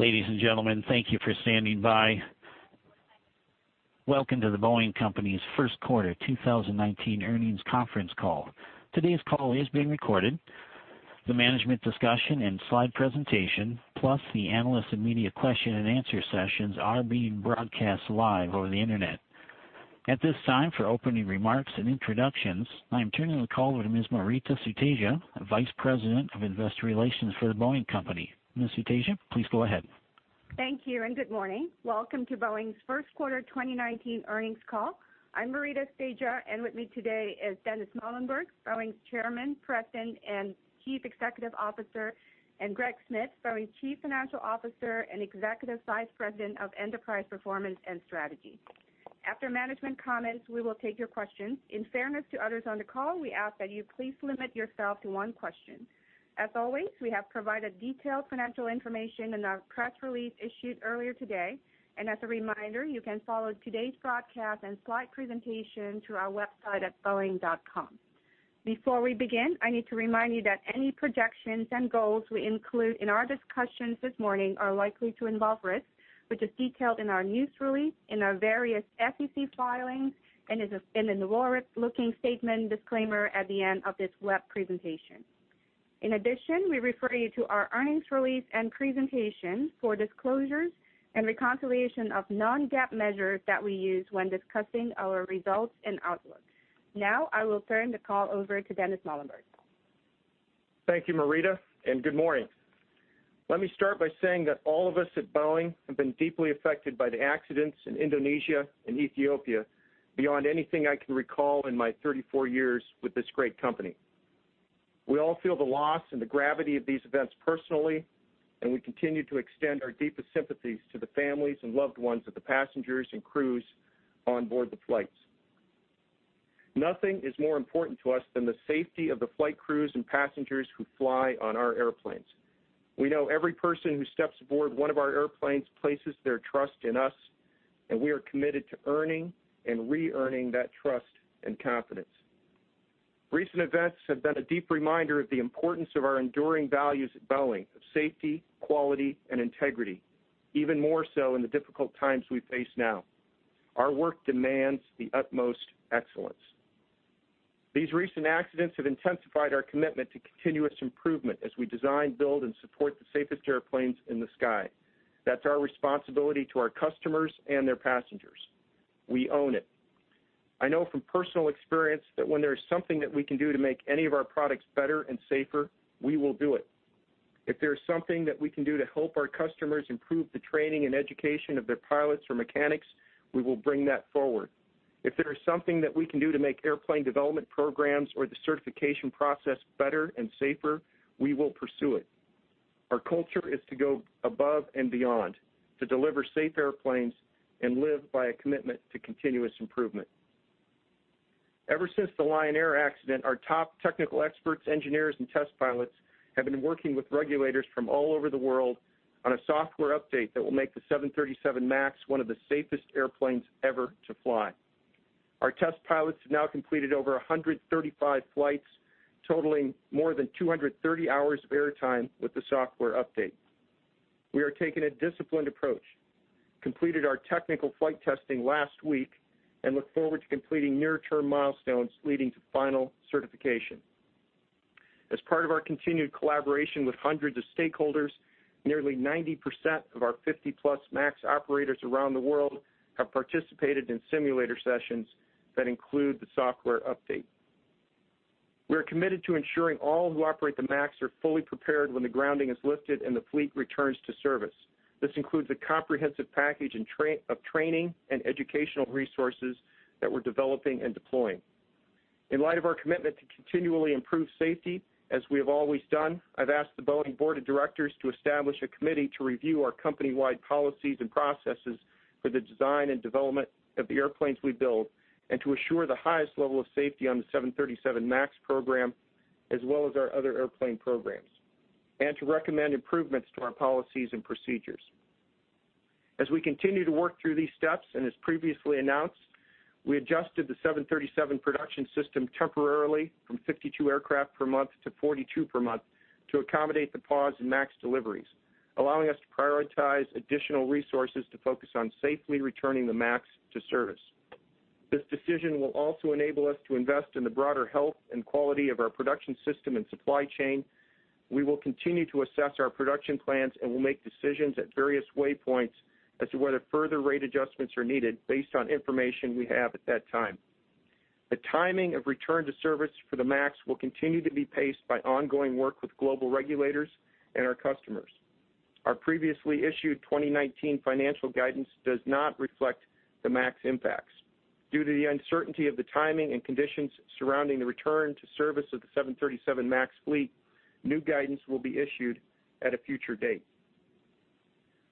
Ladies and gentlemen, thank you for standing by. Welcome to The Boeing Company's first quarter 2019 earnings conference call. Today's call is being recorded. The management discussion and slide presentation, plus the analyst and media question and answer sessions are being broadcast live over the internet. At this time, for opening remarks and introductions, I am turning the call over to Ms. Maurita Sutedja, Vice President of Investor Relations for The Boeing Company. Ms. Sutedja, please go ahead. Thank you. Good morning. Welcome to Boeing's first quarter 2019 earnings call. I'm Maurita Sutedja, and with me today is Dennis Muilenburg, Boeing's Chairman, President, and Chief Executive Officer, and Greg Smith, Boeing's Chief Financial Officer and Executive Vice President of Enterprise Performance and Strategy. After management comments, we will take your questions. In fairness to others on the call, we ask that you please limit yourself to one question. As always, we have provided detailed financial information in our press release issued earlier today. As a reminder, you can follow today's broadcast and slide presentation through our website at boeing.com. Before we begin, I need to remind you that any projections and goals we include in our discussions this morning are likely to involve risk, which is detailed in our news release, in our various SEC filings, and in the forward-looking statement disclaimer at the end of this web presentation. In addition, we refer you to our earnings release and presentation for disclosures and reconciliation of non-GAAP measures that we use when discussing our results and outlook. I will turn the call over to Dennis Muilenburg. Thank you, Maurita. Good morning. Let me start by saying that all of us at Boeing have been deeply affected by the accidents in Indonesia and Ethiopia beyond anything I can recall in my 34 years with this great company. We all feel the loss and the gravity of these events personally, and we continue to extend our deepest sympathies to the families and loved ones of the passengers and crews onboard the flights. Nothing is more important to us than the safety of the flight crews and passengers who fly on our airplanes. We know every person who steps aboard one of our airplanes places their trust in us, and we are committed to earning and re-earning that trust and confidence. Recent events have been a deep reminder of the importance of our enduring values at Boeing, of safety, quality, and integrity, even more so in the difficult times we face now. Our work demands the utmost excellence. These recent accidents have intensified our commitment to continuous improvement as we design, build, and support the safest airplanes in the sky. That's our responsibility to our customers and their passengers. We own it. I know from personal experience that when there is something that we can do to make any of our products better and safer, we will do it. If there is something that we can do to help our customers improve the training and education of their pilots or mechanics, we will bring that forward. If there is something that we can do to make airplane development programs or the certification process better and safer, we will pursue it. Our culture is to go above and beyond to deliver safe airplanes and live by a commitment to continuous improvement. Ever since the Lion Air accident, our top technical experts, engineers, and test pilots have been working with regulators from all over the world on a software update that will make the 737 MAX one of the safest airplanes ever to fly. Our test pilots have now completed over 135 flights, totaling more than 230 hours of airtime with the software update. We are taking a disciplined approach, completed our technical flight testing last week, and look forward to completing near-term milestones leading to final certification. As part of our continued collaboration with hundreds of stakeholders, nearly 90% of our 50-plus MAX operators around the world have participated in simulator sessions that include the software update. We are committed to ensuring all who operate the MAX are fully prepared when the grounding is lifted and the fleet returns to service. This includes a comprehensive package of training and educational resources that we're developing and deploying. In light of our commitment to continually improve safety, as we have always done, I've asked the Boeing Board of Directors to establish a committee to review our company-wide policies and processes for the design and development of the airplanes we build, and to assure the highest level of safety on the 737 MAX program, as well as our other airplane programs, and to recommend improvements to our policies and procedures. As we continue to work through these steps, as previously announced, we adjusted the 737 production system temporarily from 52 aircraft per month to 42 per month to accommodate the pause in MAX deliveries, allowing us to prioritize additional resources to focus on safely returning the MAX to service. This decision will also enable us to invest in the broader health and quality of our production system and supply chain. We will continue to assess our production plans and will make decisions at various waypoints as to whether further rate adjustments are needed based on information we have at that time. The timing of return to service for the MAX will continue to be paced by ongoing work with global regulators and our customers. Our previously issued 2019 financial guidance does not reflect the MAX impacts. Due to the uncertainty of the timing and conditions surrounding the return to service of the 737 MAX fleet, new guidance will be issued at a future date.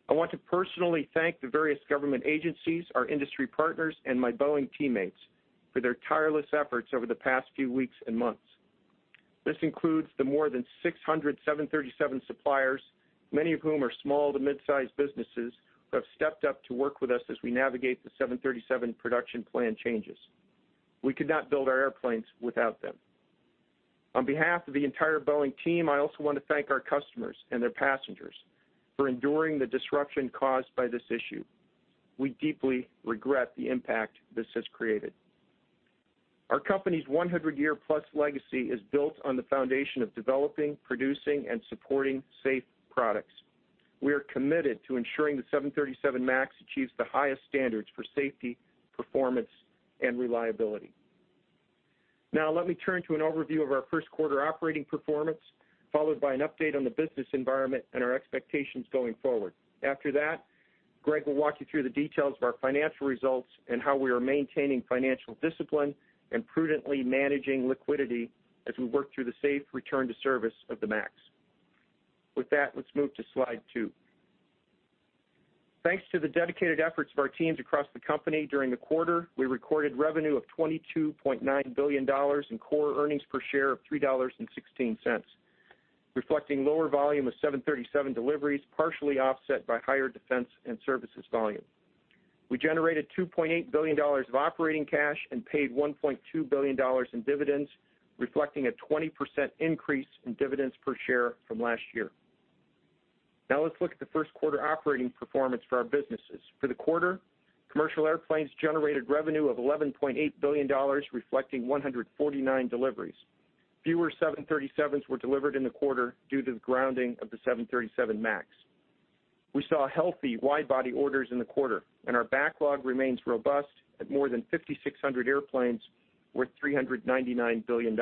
I want to personally thank the various government agencies, our industry partners, and my Boeing teammates for their tireless efforts over the past few weeks and months. This includes the more than 600 737 suppliers, many of whom are small to mid-sized businesses, who have stepped up to work with us as we navigate the 737 production plan changes. We could not build our airplanes without them. On behalf of the entire Boeing team, I also want to thank our customers and their passengers for enduring the disruption caused by this issue. We deeply regret the impact this has created. Our company's 100-year plus legacy is built on the foundation of developing, producing, and supporting safe products. We are committed to ensuring the 737 MAX achieves the highest standards for safety, performance, and reliability. Let me turn to an overview of our first quarter operating performance, followed by an update on the business environment and our expectations going forward. Greg will walk you through the details of our financial results and how we are maintaining financial discipline and prudently managing liquidity as we work through the safe return to service of the MAX. Let's move to slide two. Thanks to the dedicated efforts of our teams across the company during the quarter, we recorded revenue of $22.9 billion in core earnings per share of $3.16. Reflecting lower volume of 737 deliveries, partially offset by higher defense and services volume. We generated $2.8 billion of operating cash and paid $1.2 billion in dividends, reflecting a 20% increase in dividends per share from last year. Let's look at the first quarter operating performance for our businesses. For the quarter, Commercial Airplanes generated revenue of $11.8 billion, reflecting 149 deliveries. Fewer 737s were delivered in the quarter due to the grounding of the 737 MAX. We saw healthy wide body orders in the quarter, and our backlog remains robust at more than 5,600 airplanes worth $399 billion.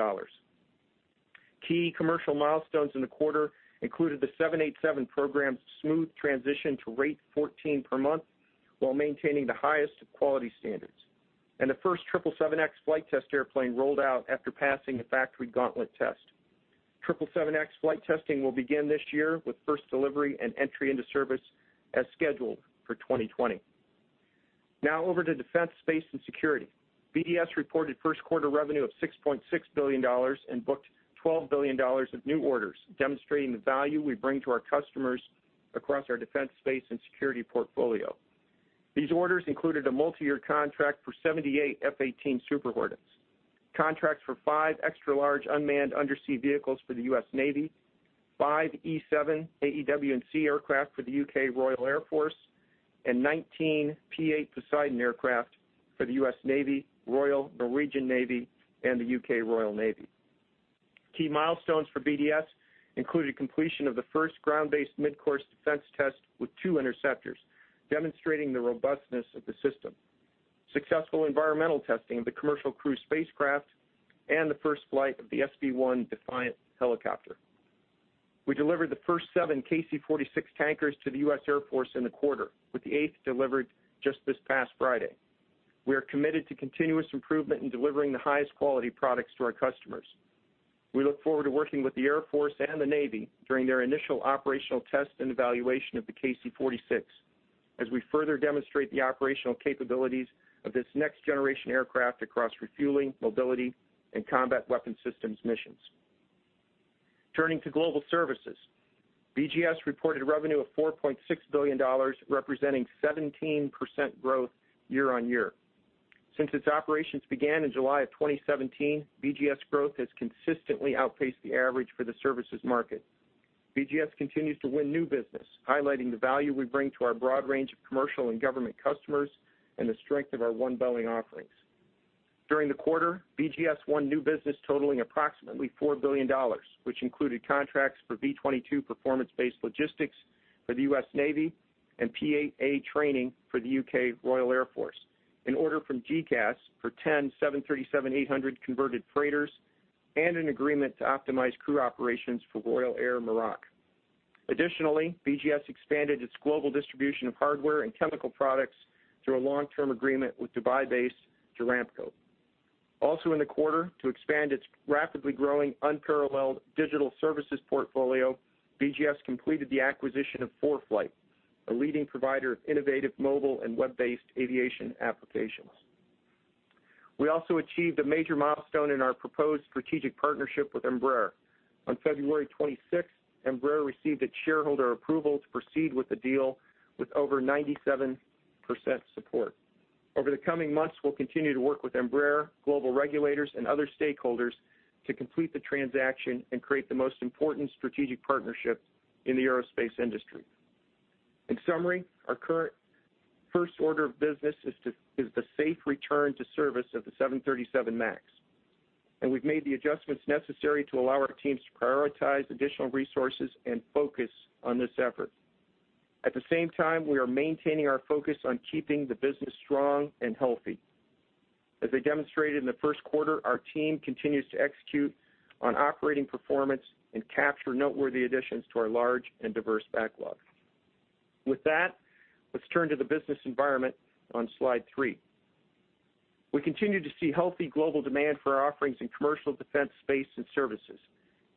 Key commercial milestones in the quarter included the 787 program's smooth transition to rate 14 per month while maintaining the highest quality standards, and the first 777X flight test airplane rolled out after passing a factory gauntlet test. 777X flight testing will begin this year with first delivery and entry into service as scheduled for 2020. Over to Defense, Space and Security. BDS reported first quarter revenue of $6.6 billion and booked $12 billion of new orders, demonstrating the value we bring to our customers across our defense, space, and security portfolio. These orders included a multi-year contract for 78 F/A-18 Super Hornets, contracts for five extra large unmanned undersea vehicles for the U.S. Navy, five E-7 AEW&C aircraft for the U.K. Royal Air Force, and 19 P-8 Poseidon aircraft for the U.S. Navy, Royal Norwegian Navy, and the U.K. Royal Navy. Key milestones for BDS included completion of the first Ground-Based Midcourse Defense test with two interceptors, demonstrating the robustness of the system, successful environmental testing of the Commercial Crew spacecraft, and the first flight of the SB-1 Defiant helicopter. We delivered the first seven KC-46 tankers to the U.S. Air Force in the quarter, with the eighth delivered just this past Friday. We are committed to continuous improvement in delivering the highest quality products to our customers. We look forward to working with the Air Force and the Navy during their initial operational test and evaluation of the KC-46, as we further demonstrate the operational capabilities of this next generation aircraft across refueling, mobility, and combat weapon systems missions. Turning to global services. BGS reported revenue of $4.6 billion, representing 17% growth year-over-year. Since its operations began in July of 2017, BGS growth has consistently outpaced the average for the services market. BGS continues to win new business, highlighting the value we bring to our broad range of commercial and government customers and the strength of our One Boeing offerings. During the quarter, BGS won new business totaling approximately $4 billion, which included contracts for V-22 performance-based logistics for the U.S. Navy and P-8A training for the U.K. Royal Air Force, an order from GECAS for 10 737-800 converted freighters, and an agreement to optimize crew operations for Royal Air Maroc. Additionally, BGS expanded its global distribution of hardware and chemical products through a long-term agreement with Dubai-based Duracoat. Also in the quarter, to expand its rapidly growing unparalleled digital services portfolio, BGS completed the acquisition of ForeFlight, a leading provider of innovative mobile and web-based aviation applications. We also achieved a major milestone in our proposed strategic partnership with Embraer. On February 26th, Embraer received a shareholder approval to proceed with the deal with over 97% support. Over the coming months, we'll continue to work with Embraer, global regulators, and other stakeholders to complete the transaction and create the most important strategic partnership in the aerospace industry. In summary, our current first order of business is the safe return to service of the 737 MAX, and we've made the adjustments necessary to allow our teams to prioritize additional resources and focus on this effort. At the same time, we are maintaining our focus on keeping the business strong and healthy. As I demonstrated in the first quarter, our team continues to execute on operating performance and capture noteworthy additions to our large and diverse backlog. With that, let's turn to the business environment on slide three. We continue to see healthy global demand for our offerings in commercial, defense, space, and services.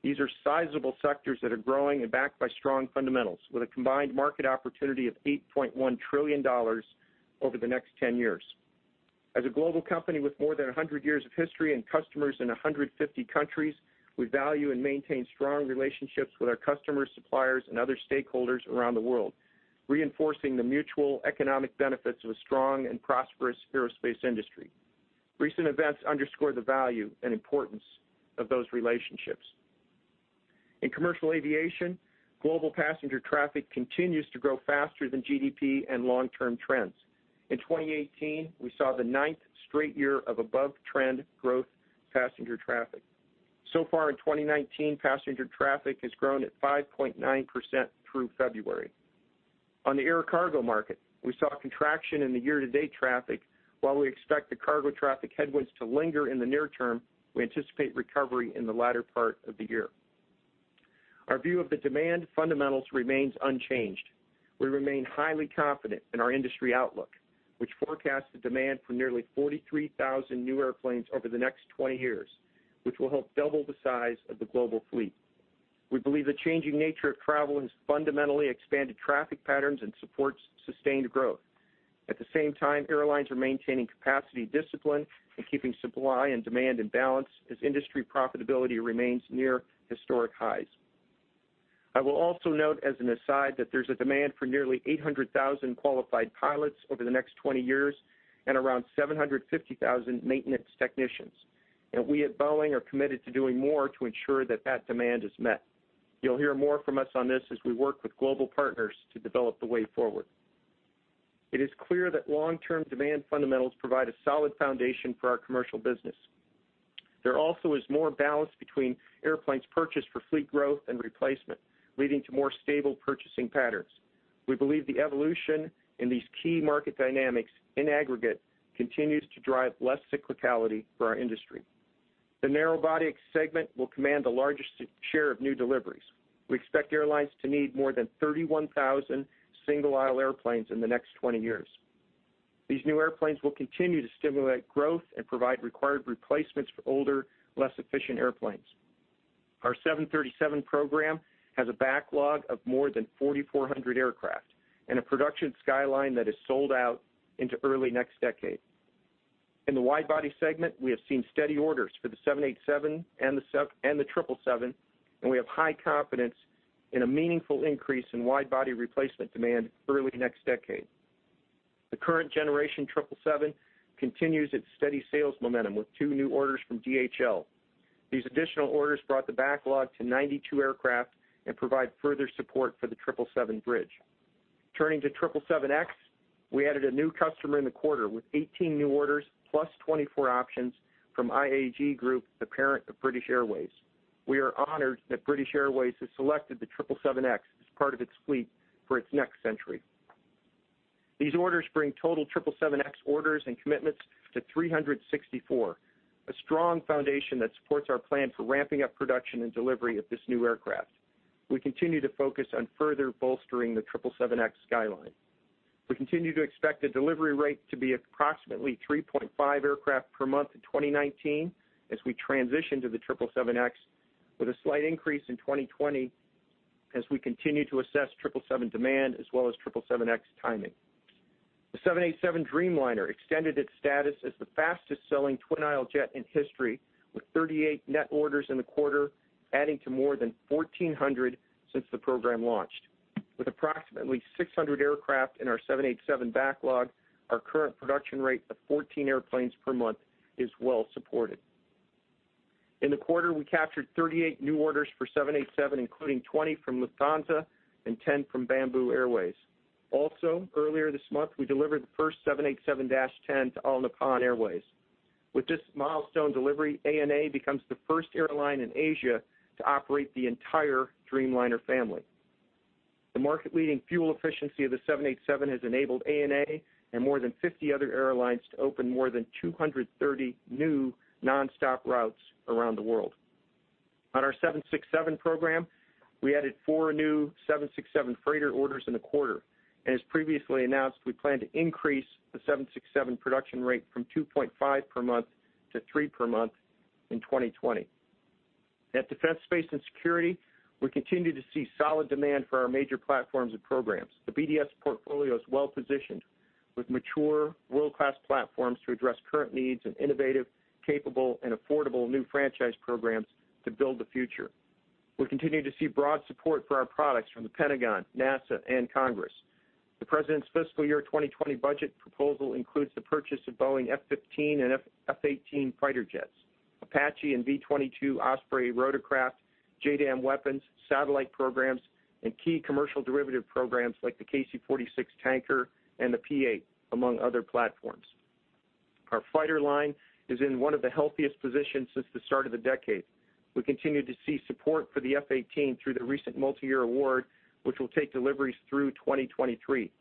These are sizable sectors that are growing and backed by strong fundamentals, with a combined market opportunity of $8.1 trillion over the next 10 years. As a global company with more than 100 years of history and customers in 150 countries, we value and maintain strong relationships with our customers, suppliers, and other stakeholders around the world. Reinforcing the mutual economic benefits of a strong and prosperous aerospace industry. Recent events underscore the value and importance of those relationships. In commercial aviation, global passenger traffic continues to grow faster than GDP and long-term trends. In 2018, we saw the ninth straight year of above-trend growth passenger traffic. So far in 2019, passenger traffic has grown at 5.9% through February. On the air cargo market, we saw a contraction in the year-to-date traffic. While we expect the cargo traffic headwinds to linger in the near term, we anticipate recovery in the latter part of the year. Our view of the demand fundamentals remains unchanged. We remain highly confident in our industry outlook, which forecasts the demand for nearly 43,000 new airplanes over the next 20 years, which will help double the size of the global fleet. We believe the changing nature of travel has fundamentally expanded traffic patterns and supports sustained growth. At the same time, airlines are maintaining capacity discipline and keeping supply and demand in balance as industry profitability remains near historic highs. I will also note as an aside that there's a demand for nearly 800,000 qualified pilots over the next 20 years and around 750,000 maintenance technicians, and we at Boeing are committed to doing more to ensure that that demand is met. You'll hear more from us on this as we work with global partners to develop the way forward. It is clear that long-term demand fundamentals provide a solid foundation for our commercial business. There also is more balance between airplanes purchased for fleet growth and replacement, leading to more stable purchasing patterns. We believe the evolution in these key market dynamics, in aggregate, continues to drive less cyclicality for our industry. The narrow body segment will command the largest share of new deliveries. We expect airlines to need more than 31,000 single-aisle airplanes in the next 20 years. These new airplanes will continue to stimulate growth and provide required replacements for older, less efficient airplanes. Our 737 program has a backlog of more than 4,400 aircraft and a production skyline that is sold out into early next decade. In the wide body segment, we have seen steady orders for the 787 and the 777, and we have high confidence in a meaningful increase in wide-body replacement demand early next decade. The current generation 777 continues its steady sales momentum with two new orders from DHL. These additional orders brought the backlog to 92 aircraft and provide further support for the 777 bridge. Turning to 777X, we added a new customer in the quarter with 18 new orders plus 24 options from IAG Group, the parent of British Airways. We are honored that British Airways has selected the 777X as part of its fleet for its next century. These orders bring total 777X orders and commitments to 364, a strong foundation that supports our plan for ramping up production and delivery of this new aircraft. We continue to focus on further bolstering the 777X skyline. We continue to expect the delivery rate to be approximately 3.5 aircraft per month in 2019 as we transition to the 777X, with a slight increase in 2020 as we continue to assess 777 demand as well as 777X timing. The 787 Dreamliner extended its status as the fastest-selling twin-aisle jet in history, with 38 net orders in the quarter, adding to more than 1,400 since the program launched. With approximately 600 aircraft in our 787 backlog, our current production rate of 14 airplanes per month is well supported. In the quarter, we captured 38 new orders for 787, including 20 from Lufthansa and 10 from Bamboo Airways. Also, earlier this month, we delivered the first 787-10 to All Nippon Airways. With this milestone delivery, ANA becomes the first airline in Asia to operate the entire Dreamliner family. The market-leading fuel efficiency of the 787 has enabled ANA and more than 50 other airlines to open more than 230 new nonstop routes around the world. On our 767 program, we added four new 767 freighter orders in the quarter. As previously announced, we plan to increase the 767 production rate from 2.5 per month to three per month in 2020. At Defense, Space, and Security, we continue to see solid demand for our major platforms and programs. The BDS portfolio is well-positioned with mature world-class platforms to address current needs and innovative, capable, and affordable new franchise programs to build the future. We continue to see broad support for our products from The Pentagon, NASA, and Congress. The President's fiscal year 2020 budget proposal includes the purchase of Boeing F-15 and F/A-18 fighter jets, Apache and V-22 Osprey rotorcraft, JDAM weapons, satellite programs, and key commercial derivative programs like the KC-46 tanker and the P-8, among other platforms. Our fighter line is in one of the healthiest positions since the start of the decade. We continue to see support for the F/A-18 through the recent multi-year award, which will take deliveries through 2023.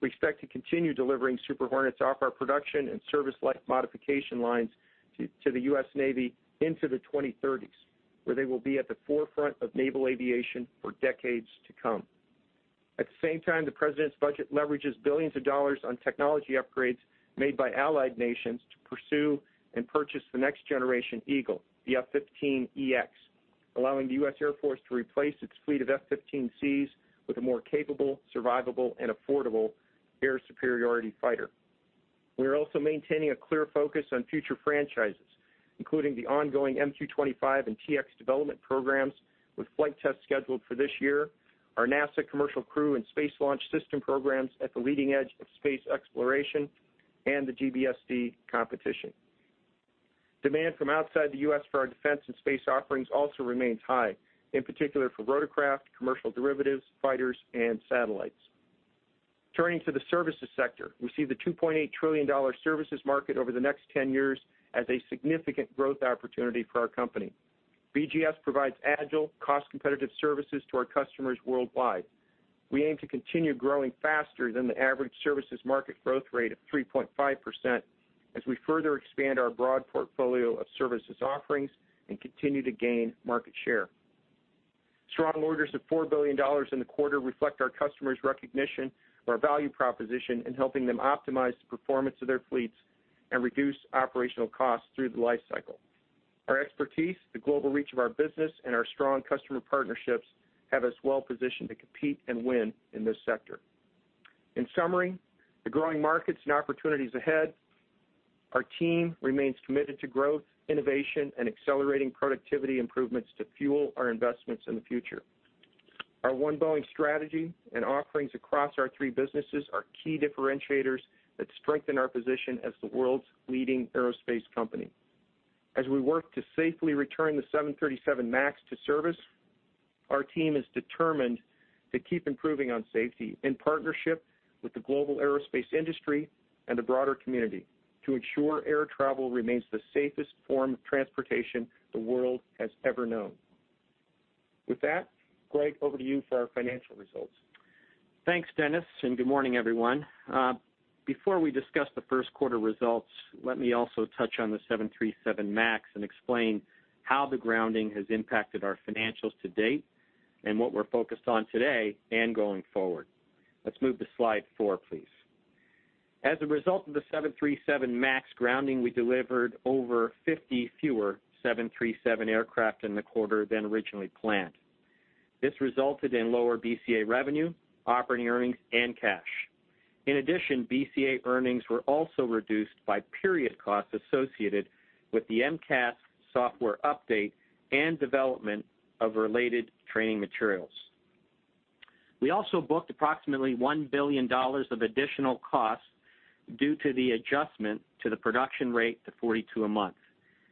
We expect to continue delivering Super Hornets off our production and service life modification lines to the U.S. Navy into the 2030s, where they will be at the forefront of naval aviation for decades to come. At the same time, the President's budget leverages $ billions on technology upgrades made by allied nations to pursue and purchase the next generation Eagle, the F-15EX, allowing the U.S. Air Force to replace its fleet of F-15Cs with a more capable, survivable, and affordable air superiority fighter. We are also maintaining a clear focus on future franchises, including the ongoing MQ-25 and T-X development programs, with flight tests scheduled for this year, our NASA Commercial Crew Program and Space Launch System programs at the leading edge of space exploration, and the GBSD competition. Demand from outside the U.S. for our defense and space offerings also remains high, in particular for rotorcraft, commercial derivatives, fighters, and satellites. Turning to the services sector, we see the $2.8 trillion services market over the next 10 years as a significant growth opportunity for our company. BGS provides agile, cost-competitive services to our customers worldwide. We aim to continue growing faster than the average services market growth rate of 3.5% as we further expand our broad portfolio of services offerings and continue to gain market share. Strong orders of $4 billion in the quarter reflect our customers' recognition of our value proposition in helping them optimize the performance of their fleets and reduce operational costs through the life cycle. Our expertise, the global reach of our business, and our strong customer partnerships have us well positioned to compete and win in this sector. In summary, the growing markets and opportunities ahead, our team remains committed to growth, innovation, and accelerating productivity improvements to fuel our investments in the future. Our One Boeing strategy and offerings across our three businesses are key differentiators that strengthen our position as the world's leading aerospace company. As we work to safely return the 737 MAX to service, our team is determined to keep improving on safety in partnership with the global aerospace industry and the broader community to ensure air travel remains the safest form of transportation the world has ever known. With that, Greg, over to you for our financial results. Thanks, Dennis, and good morning, everyone. Before we discuss the first quarter results, let me also touch on the 737 MAX and explain how the grounding has impacted our financials to date and what we're focused on today and going forward. Let's move to slide four, please. As a result of the 737 MAX grounding, we delivered over 50 fewer 737 aircraft in the quarter than originally planned. This resulted in lower BCA revenue, operating earnings, and cash. In addition, BCA earnings were also reduced by period costs associated with the MCAS software update and development of related training materials. We also booked approximately $1 billion of additional costs due to the adjustment to the production rate to 42 a month.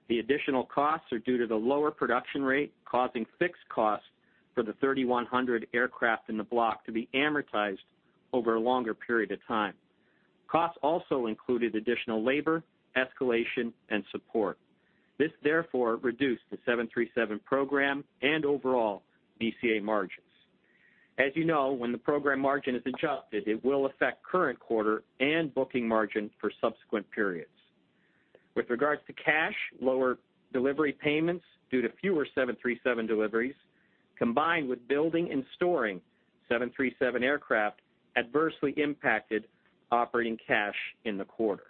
The additional costs are due to the lower production rate, causing fixed costs for the 3,100 aircraft in the block to be amortized over a longer period of time. Costs also included additional labor, escalation, and support. This therefore reduced the 737 program and overall BCA margins. As you know, when the program margin is adjusted, it will affect current quarter and booking margin for subsequent periods. With regards to cash, lower delivery payments due to fewer 737 deliveries, combined with building and storing 737 aircraft, adversely impacted operating cash in the quarter.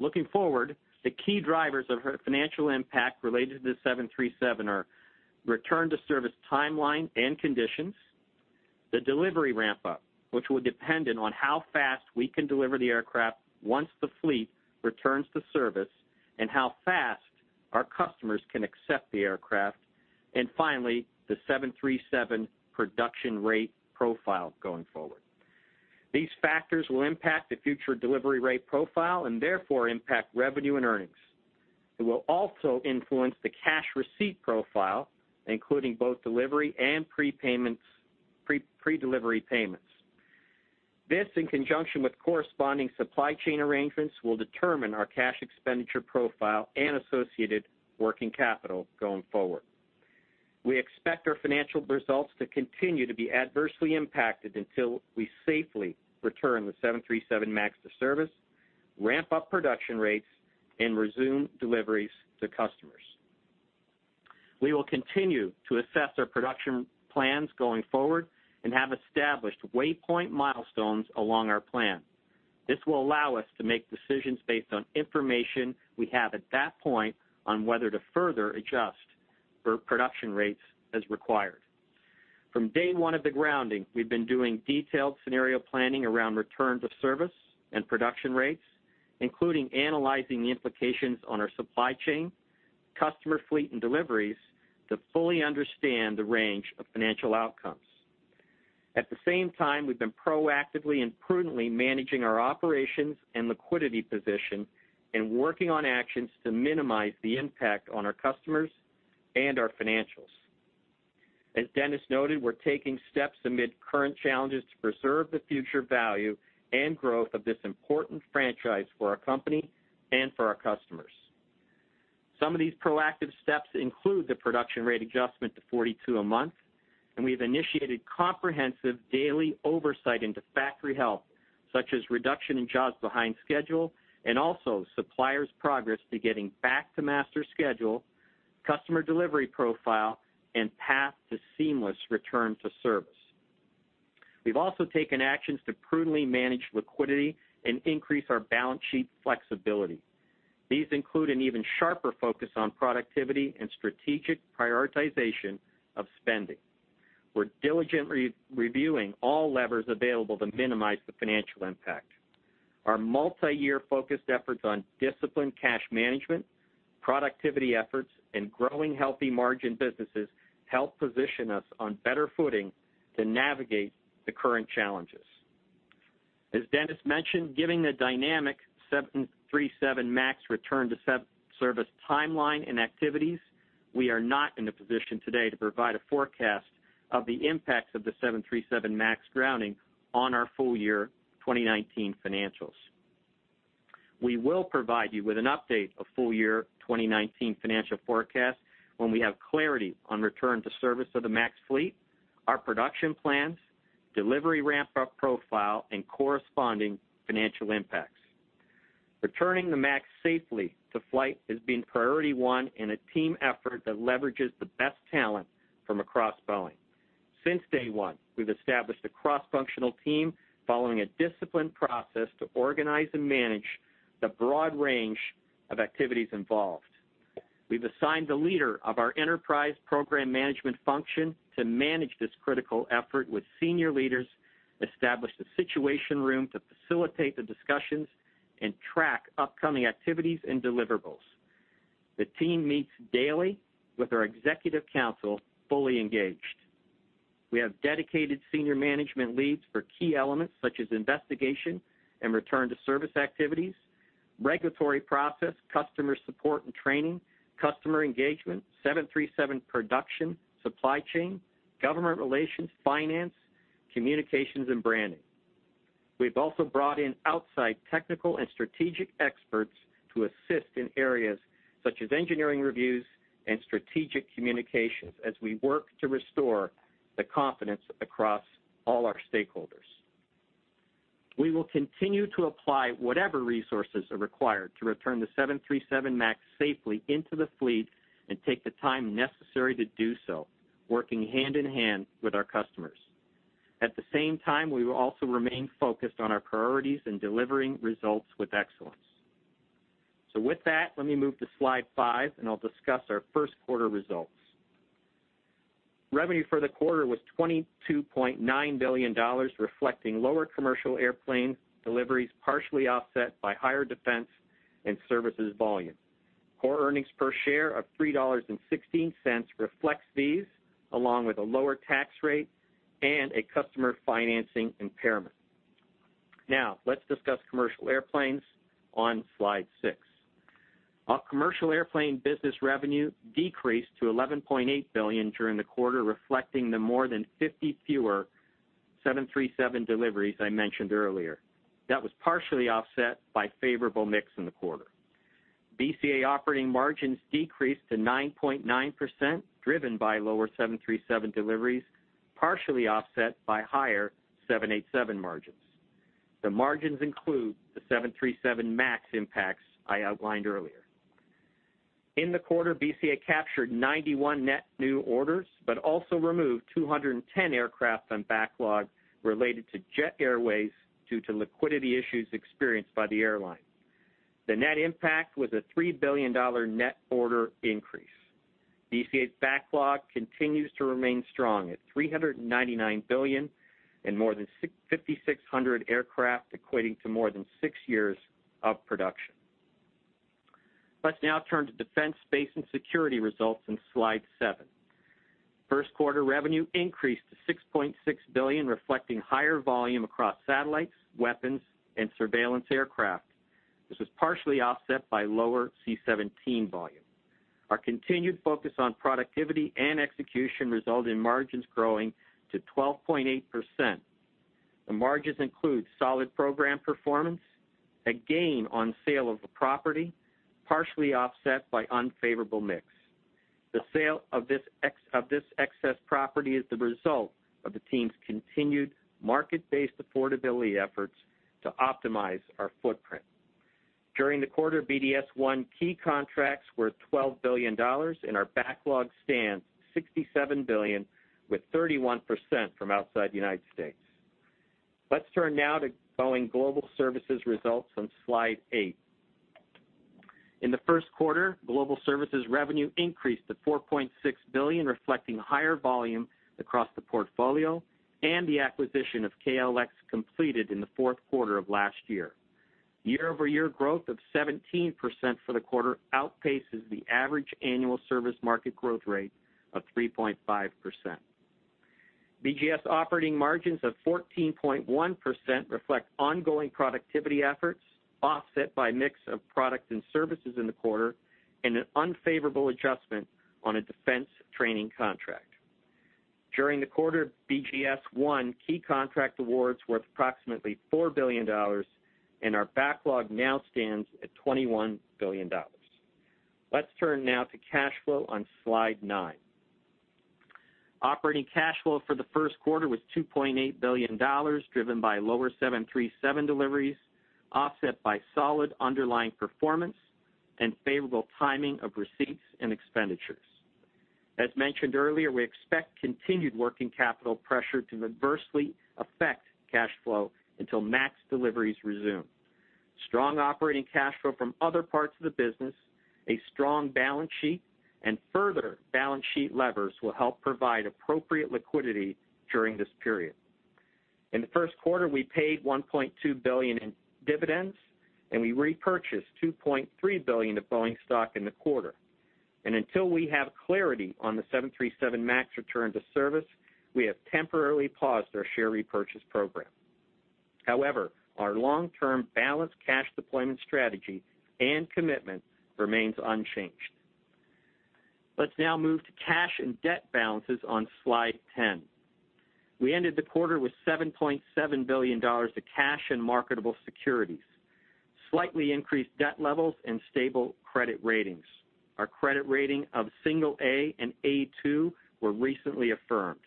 Looking forward, the key drivers of our financial impact related to the 737 are return to service timeline and conditions, the delivery ramp-up, which will be dependent on how fast we can deliver the aircraft once the fleet returns to service, and how fast our customers can accept the aircraft, and finally, the 737 production rate profile going forward. These factors will impact the future delivery rate profile and therefore impact revenue and earnings. It will also influence the cash receipt profile, including both delivery and predelivery payments. This, in conjunction with corresponding supply chain arrangements, will determine our cash expenditure profile and associated working capital going forward. We expect our financial results to continue to be adversely impacted until we safely return the 737 MAX to service, ramp up production rates, and resume deliveries to customers. We will continue to assess our production plans going forward and have established waypoint milestones along our plan. This will allow us to make decisions based on information we have at that point on whether to further adjust for production rates as required. From day one of the grounding, we've been doing detailed scenario planning around returns of service and production rates, including analyzing the implications on our supply chain, customer fleet, and deliveries to fully understand the range of financial outcomes. At the same time, we've been proactively and prudently managing our operations and liquidity position and working on actions to minimize the impact on our customers and our financials. As Dennis noted, we're taking steps amid current challenges to preserve the future value and growth of this important franchise for our company and for our customers. Some of these proactive steps include the production rate adjustment to 42 a month. We've initiated comprehensive daily oversight into factory health, such as reduction in jobs behind schedule, and also suppliers' progress to getting back to master schedule, customer delivery profile, and path to seamless return to service. We've also taken actions to prudently manage liquidity and increase our balance sheet flexibility. These include an even sharper focus on productivity and strategic prioritization of spending. We're diligently reviewing all levers available to minimize the financial impact. Our multi-year focused efforts on disciplined cash management, productivity efforts, and growing healthy margin businesses help position us on better footing to navigate the current challenges. As Dennis mentioned, given the dynamic 737 MAX return to service timeline and activities, we are not in a position today to provide a forecast of the impacts of the 737 MAX grounding on our full year 2019 financials. We will provide you with an update of full year 2019 financial forecast when we have clarity on return to service of the MAX fleet, our production plans, delivery ramp-up profile, and corresponding financial impacts. Returning the MAX safely to flight has been priority 1 in a team effort that leverages the best talent from across Boeing. Since day one, we've established a cross-functional team, following a disciplined process to organize and manage the broad range of activities involved. We've assigned a leader of our enterprise program management function to manage this critical effort with senior leaders, established a situation room to facilitate the discussions, and track upcoming activities and deliverables. The team meets daily with our executive council, fully engaged. We have dedicated senior management leads for key elements such as investigation and return to service activities, regulatory process, customer support and training, customer engagement, 737 production, supply chain, government relations, finance, communications, and branding. We've also brought in outside technical and strategic experts to assist in areas such as engineering reviews and strategic communications, as we work to restore the confidence across all our stakeholders. We will continue to apply whatever resources are required to return the 737 MAX safely into the fleet and take the time necessary to do so, working hand-in-hand with our customers. At the same time, we will also remain focused on our priorities in delivering results with excellence. With that, let me move to slide five, and I'll discuss our first quarter results. Revenue for the quarter was $22.9 billion, reflecting lower commercial airplane deliveries, partially offset by higher defense and services volume. Core earnings per share of $3.16 reflects these, along with a lower tax rate and a customer financing impairment. Let's discuss commercial airplanes on slide six. Our commercial airplane business revenue decreased to $11.8 billion during the quarter, reflecting the more than 50 fewer 737 deliveries I mentioned earlier. That was partially offset by favorable mix in the quarter. BCA operating margins decreased to 9.9%, driven by lower 737 deliveries, partially offset by higher 787 margins. The margins include the 737 MAX impacts I outlined earlier. In the quarter, BCA captured 91 net new orders, also removed 210 aircraft from backlog related to Jet Airways, due to liquidity issues experienced by the airline. The net impact was a $3 billion net order increase. BCA's backlog continues to remain strong at $399 billion, more than 5,600 aircraft, equating to more than six years of production. Let's now turn to Boeing Defense, Space & Security results on slide seven. First quarter revenue increased to $6.6 billion, reflecting higher volume across satellites, weapons, and surveillance aircraft. This was partially offset by lower C-17 volume. Our continued focus on productivity and execution result in margins growing to 12.8%. The margins include solid program performance, a gain on sale of a property, partially offset by unfavorable mix. The sale of this excess property is the result of the team's continued market-based affordability efforts to optimize our footprint. During the quarter, BDS won key contracts worth $12 billion, our backlog stands $67 billion, with 31% from outside U.S. Let's turn now to Boeing Global Services results on slide eight. In the first quarter, Boeing Global Services revenue increased to $4.6 billion, reflecting higher volume across the portfolio the acquisition of KLX completed in the fourth quarter of last year. Year-over-year growth of 17% for the quarter outpaces the average annual service market growth rate of 3.5%. BGS operating margins of 14.1% reflect ongoing productivity efforts, offset by mix of products and services in the quarter, an unfavorable adjustment on a defense training contract. During the quarter, BGS won key contract awards worth approximately $4 billion, our backlog now stands at $21 billion. Let's turn now to cash flow on slide nine. Operating cash flow for the first quarter was $2.8 billion, driven by lower 737 deliveries, offset by solid underlying performance and favorable timing of receipts and expenditures. As mentioned earlier, we expect continued working capital pressure to adversely affect cash flow until MAX deliveries resume. Strong operating cash flow from other parts of the business, a strong balance sheet, further balance sheet levers will help provide appropriate liquidity during this period. In the first quarter, we paid $1.2 billion in dividends, we repurchased $2.3 billion of Boeing stock in the quarter. Until we have clarity on the 737 MAX return to service, we have temporarily paused our share repurchase program. However, our long-term balanced cash deployment strategy and commitment remains unchanged. Let's now move to cash and debt balances on Slide 10. We ended the quarter with $7.7 billion of cash and marketable securities, slightly increased debt levels, stable credit ratings. Our credit rating of A and A2 were recently affirmed.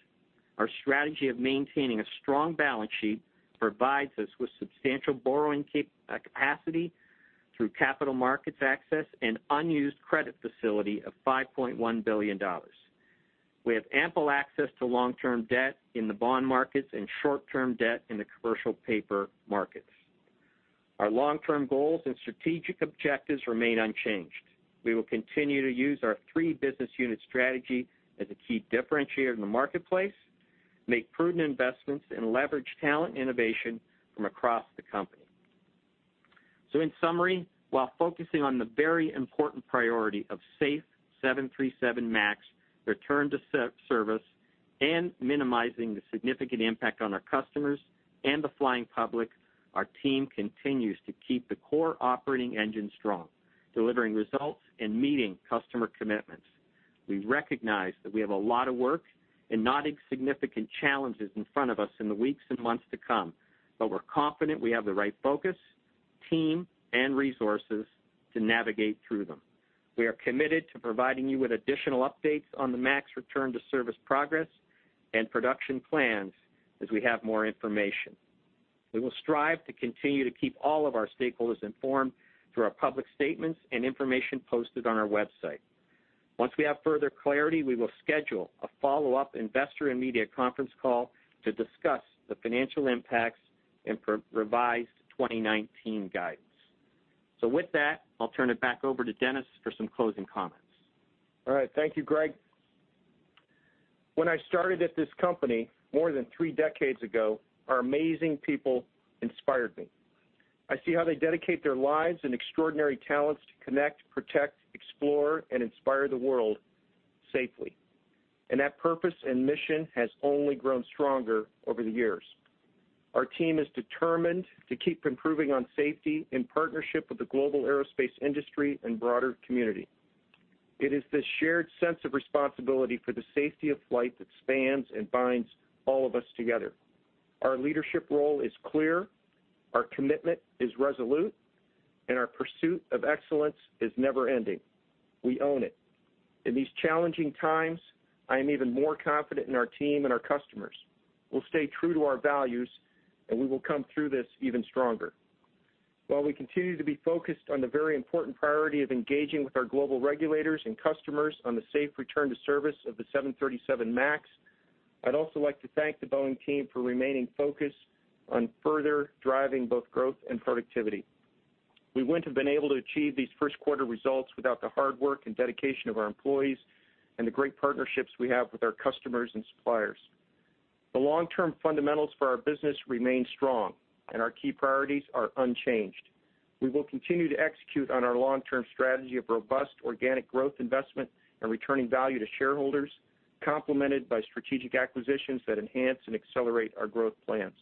Our strategy of maintaining a strong balance sheet provides us with substantial borrowing capacity through capital markets access and unused credit facility of $5.1 billion. We have ample access to long-term debt in the bond markets and short-term debt in the commercial paper markets. Our long-term goals and strategic objectives remain unchanged. We will continue to use our three business unit strategy as a key differentiator in the marketplace, make prudent investments, leverage talent innovation from across the company. In summary, while focusing on the very important priority of safe 737 MAX return to service and minimizing the significant impact on our customers and the flying public, our team continues to keep the core operating engine strong, delivering results and meeting customer commitments. We recognize that we have a lot of work and not insignificant challenges in front of us in the weeks and months to come, but we're confident we have the right focus, team, and resources to navigate through them. We are committed to providing you with additional updates on the MAX return to service progress and production plans as we have more information. We will strive to continue to keep all of our stakeholders informed through our public statements and information posted on our website. Once we have further clarity, we will schedule a follow-up investor and media conference call to discuss the financial impacts and revised 2019 guidance. With that, I'll turn it back over to Dennis for some closing comments. All right. Thank you, Greg. When I started at this company more than three decades ago, our amazing people inspired me. I see how they dedicate their lives and extraordinary talents to connect, protect, explore, and inspire the world safely. That purpose and mission has only grown stronger over the years. Our team is determined to keep improving on safety in partnership with the global aerospace industry and broader community. It is the shared sense of responsibility for the safety of flight that spans and binds all of us together. Our leadership role is clear, our commitment is resolute, and our pursuit of excellence is never-ending. We own it. In these challenging times, I am even more confident in our team and our customers. We'll stay true to our values, and we will come through this even stronger. While we continue to be focused on the very important priority of engaging with our global regulators and customers on the safe return to service of the 737 MAX, I'd also like to thank the Boeing team for remaining focused on further driving both growth and productivity. We wouldn't have been able to achieve these first quarter results without the hard work and dedication of our employees and the great partnerships we have with our customers and suppliers. The long-term fundamentals for our business remain strong and our key priorities are unchanged. We will continue to execute on our long-term strategy of robust organic growth investment and returning value to shareholders, complemented by strategic acquisitions that enhance and accelerate our growth plans.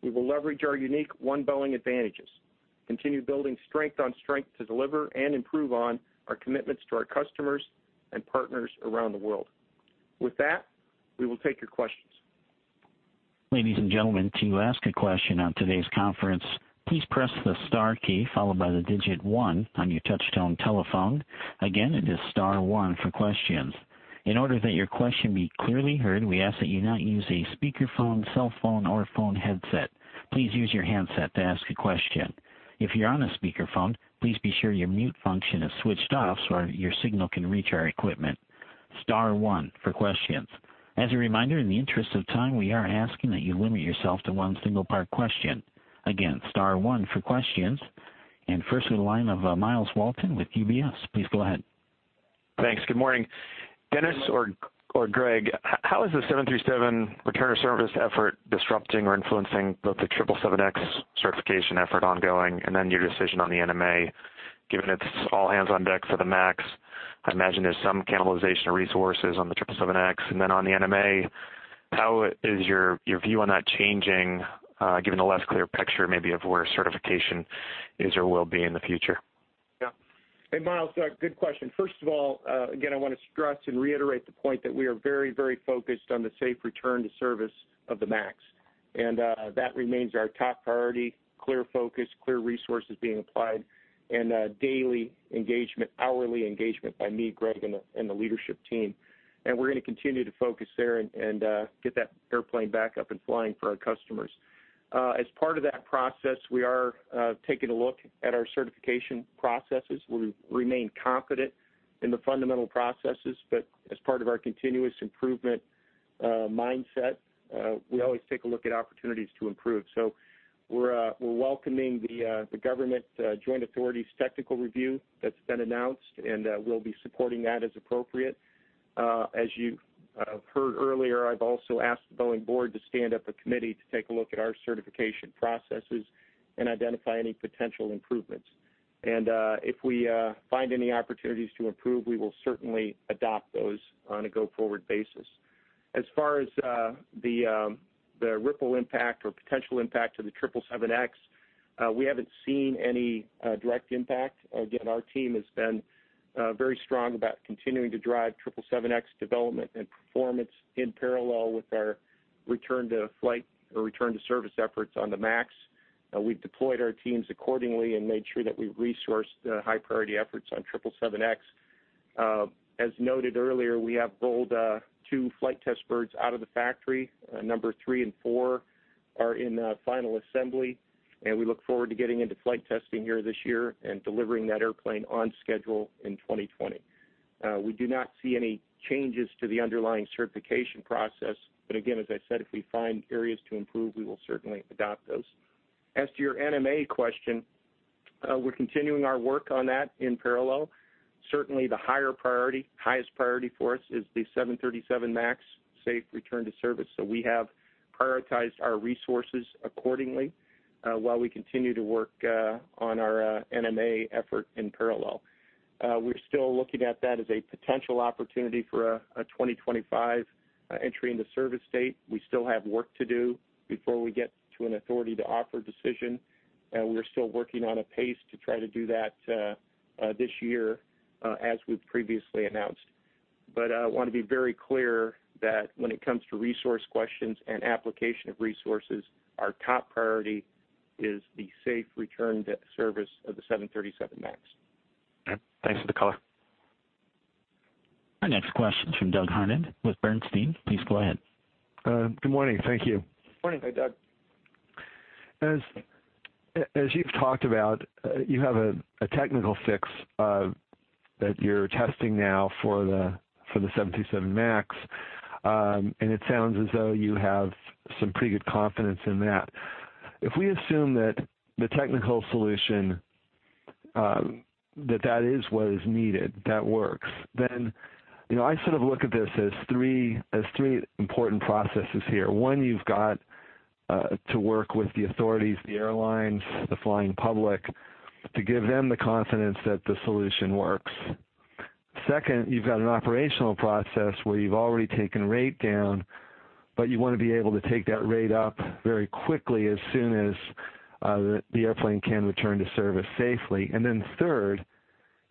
We will leverage our unique One Boeing advantages, continue building strength on strength to deliver and improve on our commitments to our customers and partners around the world. With that, we will take your questions. Ladies and gentlemen, to ask a question on today's conference, please press the star key followed by the digit 1 on your touchtone telephone. Again, it is star 1 for questions. In order that your question be clearly heard, we ask that you not use a speakerphone, cell phone, or phone headset. Please use your handset to ask a question. If you're on a speakerphone, please be sure your mute function is switched off so your signal can reach our equipment. Star 1 for questions. As a reminder, in the interest of time, we are asking that you limit yourself to one single part question. Again, star 1 for questions. First to the line of Myles Walton with UBS. Please go ahead. Thanks. Good morning. Dennis or Greg, how is the 737 return to service effort disrupting or influencing both the 777X certification effort ongoing, your decision on the NMA, given it's all hands on deck for the MAX, I imagine there's some cannibalization of resources on the 777X. On the NMA, how is your view on that changing, given the less clear picture maybe of where certification is or will be in the future? Hey, Myles. Good question. First of all, again, I want to stress and reiterate the point that we are very focused on the safe return to service of the MAX, that remains our top priority, clear focus, clear resources being applied, daily engagement, hourly engagement by me, Greg, and the leadership team. We're going to continue to focus there and get that airplane back up and flying for our customers. As part of that process, we are taking a look at our certification processes. We remain confident in the fundamental processes, but as part of our continuous improvement mindset, we always take a look at opportunities to improve. We're welcoming the government joint authority's technical review that's been announced, we'll be supporting that as appropriate. As you've heard earlier, I've also asked the Boeing board to stand up a committee to take a look at our certification processes and identify any potential improvements. If we find any opportunities to improve, we will certainly adopt those on a go-forward basis. As far as the ripple impact or potential impact to the 777X, we haven't seen any direct impact. Again, our team has been very strong about continuing to drive 777X development and performance in parallel with our return to flight or return to service efforts on the MAX. We've deployed our teams accordingly and made sure that we've resourced the high-priority efforts on 777X. As noted earlier, we have rolled two flight test birds out of the factory. Number 3 and 4 are in final assembly, and we look forward to getting into flight testing here this year and delivering that airplane on schedule in 2020. We do not see any changes to the underlying certification process, again, as I said, if we find areas to improve, we will certainly adopt those. As to your NMA question, we're continuing our work on that in parallel. Certainly the highest priority for us is the 737 MAX safe return to service. We have prioritized our resources accordingly, while we continue to work on our NMA effort in parallel. We're still looking at that as a potential opportunity for a 2025 entry into service date. We still have work to do before we get to an authority to offer a decision, and we're still working on a pace to try to do that this year as we've previously announced. I want to be very clear that when it comes to resource questions and application of resources, our top priority is the safe return to service of the 737 MAX. Okay. Thanks for the color. Our next question is from Doug Harned with Bernstein. Please go ahead. Good morning. Thank you. Morning, Doug. As you've talked about, you have a technical fix that you're testing now for the 737 MAX, and it sounds as though you have some pretty good confidence in that. If we assume that the technical solution, that that is what is needed, that works, I sort of look at this as three important processes here. One, you've got to work with the authorities, the airlines, the flying public, to give them the confidence that the solution works. Second, you've got an operational process where you've already taken rate down, but you want to be able to take that rate up very quickly as soon as the airplane can return to service safely. Third,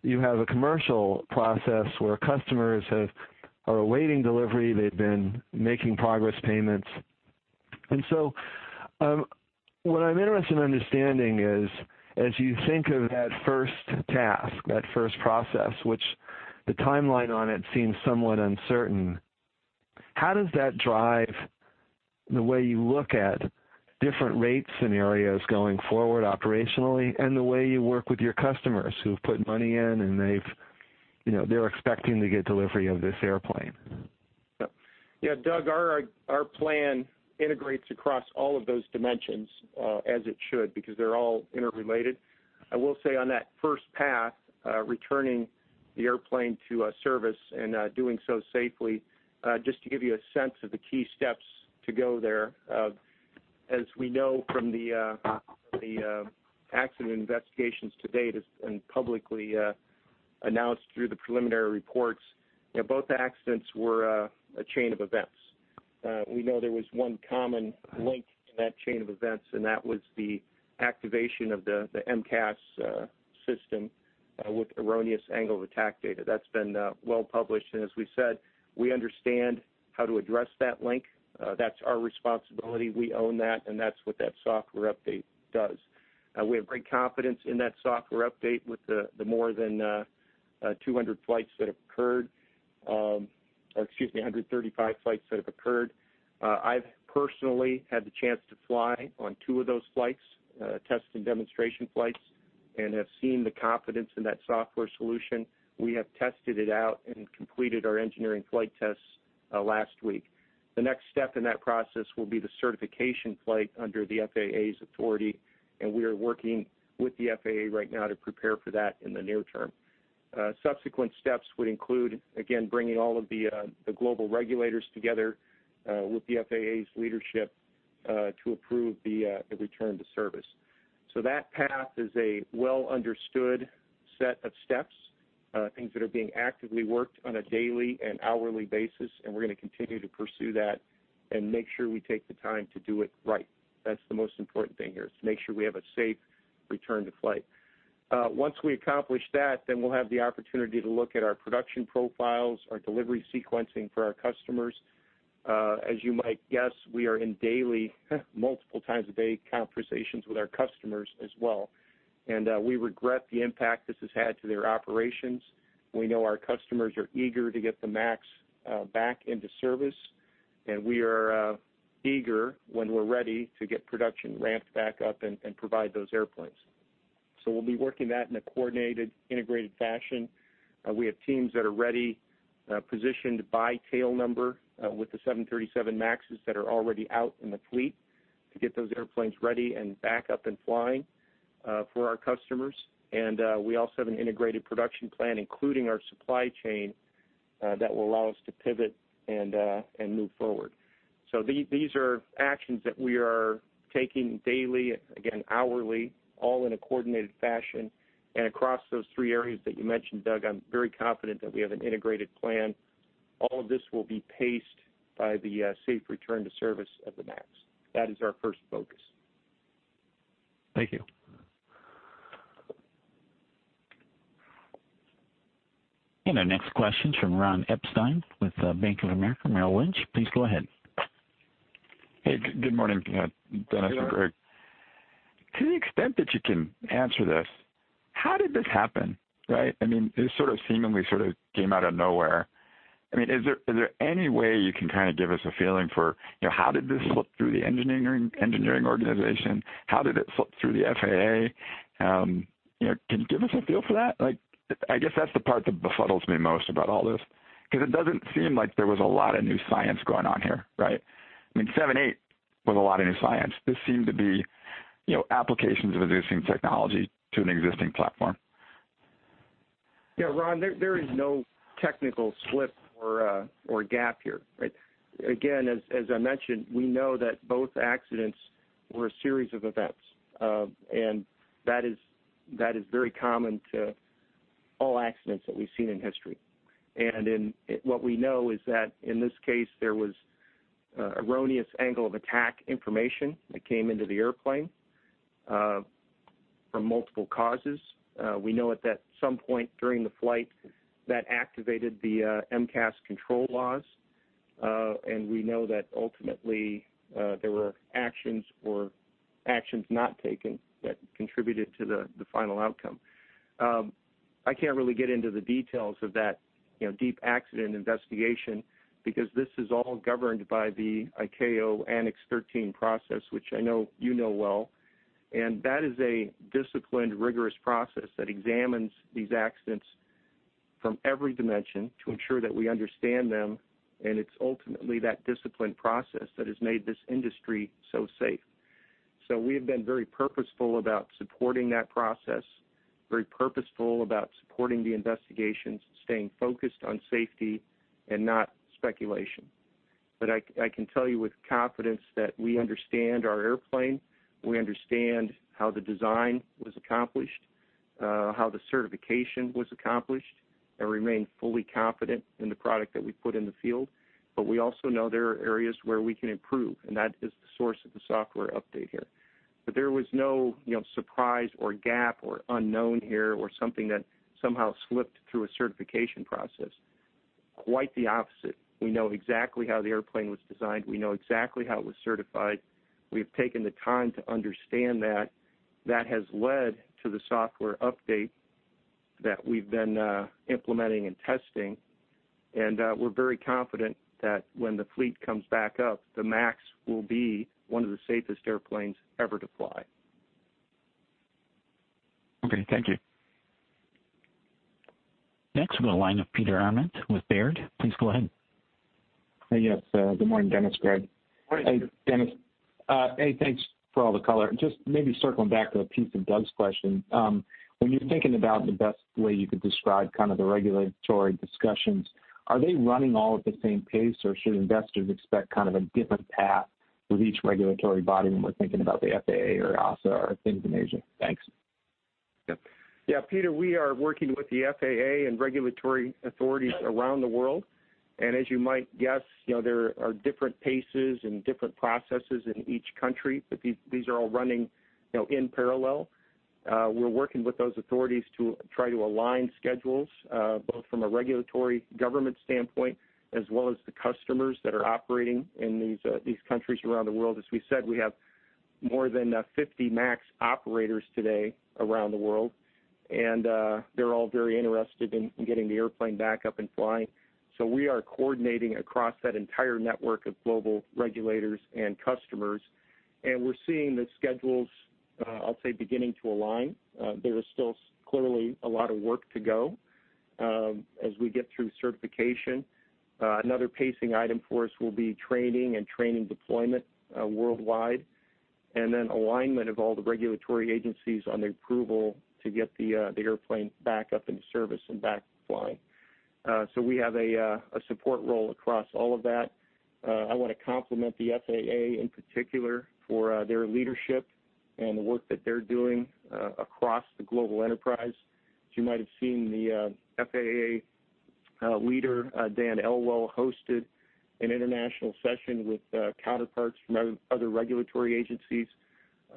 you have a commercial process where customers are awaiting delivery. They've been making progress payments. What I'm interested in understanding is, as you think of that first task, that first process, which the timeline on it seems somewhat uncertain, how does that drive the way you look at different rate scenarios going forward operationally and the way you work with your customers who've put money in and they're expecting to get delivery of this airplane? Yeah, Doug, our plan integrates across all of those dimensions, as it should, because they're all interrelated. I will say on that first path, returning the airplane to service and doing so safely, just to give you a sense of the key steps to go there. As we know from the accident investigations to date and publicly announced through the preliminary reports, both accidents were a chain of events. We know there was one common link in that chain of events, and that was the activation of the MCAS system with erroneous angle of attack data. That's been well-published, and as we said, we understand how to address that link. That's our responsibility. We own that, and that's what that software update does. We have great confidence in that software update with the more than 200 flights that have occurred, or excuse me, 135 flights that have occurred. I've personally had the chance to fly on two of those flights, test and demonstration flights, and have seen the confidence in that software solution. We have tested it out and completed our engineering flight tests last week. The next step in that process will be the certification flight under the FAA's authority, and we are working with the FAA right now to prepare for that in the near term. Subsequent steps would include, again, bringing all of the global regulators together with the FAA's leadership to approve the return to service. That path is a well-understood set of steps, things that are being actively worked on a daily and hourly basis, and we're going to continue to pursue that and make sure we take the time to do it right. That's the most important thing here, is to make sure we have a safe return to flight. Once we accomplish that, we'll have the opportunity to look at our production profiles, our delivery sequencing for our customers. As you might guess, we are in daily, multiple times a day conversations with our customers as well, and we regret the impact this has had to their operations. We know our customers are eager to get the MAX back into service, and we are eager, when we're ready, to get production ramped back up and provide those airplanes. We'll be working that in a coordinated, integrated fashion. We have teams that are ready, positioned by tail number with the 737 MAXs that are already out in the fleet to get those airplanes ready and back up and flying for our customers. We also have an integrated production plan, including our supply chain, that will allow us to pivot and move forward. These are actions that we are taking daily, again, hourly, all in a coordinated fashion. Across those three areas that you mentioned, Doug, I'm very confident that we have an integrated plan. All of this will be paced by the safe return to service of the MAX. That is our first focus. Thank you. Our next question's from Ron Epstein with Bank of America Merrill Lynch. Please go ahead. Hey, good morning, Dennis and Greg. Good morning. To the extent that you can answer this, how did this happen, right? I mean, this seemingly sort of came out of nowhere. I mean, is there any way you can kind of give us a feeling for how did this slip through the engineering organization? How did it slip through the FAA? Can you give us a feel for that? I guess that's the part that befuddles me most about all this, because it doesn't seem like there was a lot of new science going on here, right? I mean, 7-8 was a lot of new science. This seemed to be applications of existing technology to an existing platform. Yeah, Ron, there is no technical slip or gap here, right? As I mentioned, we know that both accidents were a series of events, and that is very common to all accidents that we've seen in history. What we know is that in this case, there was erroneous angle of attack information that came into the airplane from multiple causes. We know at some point during the flight that activated the MCAS control laws. We know that ultimately there were actions or actions not taken that contributed to the final outcome. I can't really get into the details of that deep accident investigation because this is all governed by the ICAO Annex 13 process, which I know you know well. That is a disciplined, rigorous process that examines these accidents from every dimension to ensure that we understand them. It's ultimately that disciplined process that has made this industry so safe. We have been very purposeful about supporting that process, very purposeful about supporting the investigations, staying focused on safety and not speculation. I can tell you with confidence that we understand our airplane, we understand how the design was accomplished, how the certification was accomplished, and remain fully confident in the product that we put in the field. We also know there are areas where we can improve, and that is the source of the software update here. There was no surprise or gap or unknown here or something that somehow slipped through a certification process. Quite the opposite. We know exactly how the airplane was designed. We know exactly how it was certified. We've taken the time to understand that. That has led to the software update that we've been implementing and testing. We're very confident that when the fleet comes back up, the MAX will be one of the safest airplanes ever to fly. Okay. Thank you. Next, we go to the line of Peter Arment with Baird. Please go ahead. Yes. Good morning, Dennis, Greg. Morning, Peter. Hey, Dennis. Hey, thanks for all the color. Just maybe circling back to a piece of Doug's question. When you're thinking about the best way you could describe kind of the regulatory discussions, are they running all at the same pace, or should investors expect kind of a different path with each regulatory body when we're thinking about the FAA or EASA or things in Asia? Thanks. Yeah. Peter, we are working with the FAA and regulatory authorities around the world, and as you might guess, there are different paces and different processes in each country, but these are all running in parallel. We're working with those authorities to try to align schedules, both from a regulatory government standpoint as well as the customers that are operating in these countries around the world. As we said, we have more than 50 MAX operators today around the world, and they're all very interested in getting the airplane back up and flying. We are coordinating across that entire network of global regulators and customers, and we're seeing the schedules, I'll say, beginning to align. There is still clearly a lot of work to go as we get through certification. Another pacing item for us will be training and training deployment worldwide, and then alignment of all the regulatory agencies on the approval to get the airplane back up into service and back flying. We have a support role across all of that. I want to compliment the FAA in particular for their leadership and the work that they're doing across the global enterprise. As you might have seen, the FAA leader, Dan Elwell, hosted an international session with counterparts from other regulatory agencies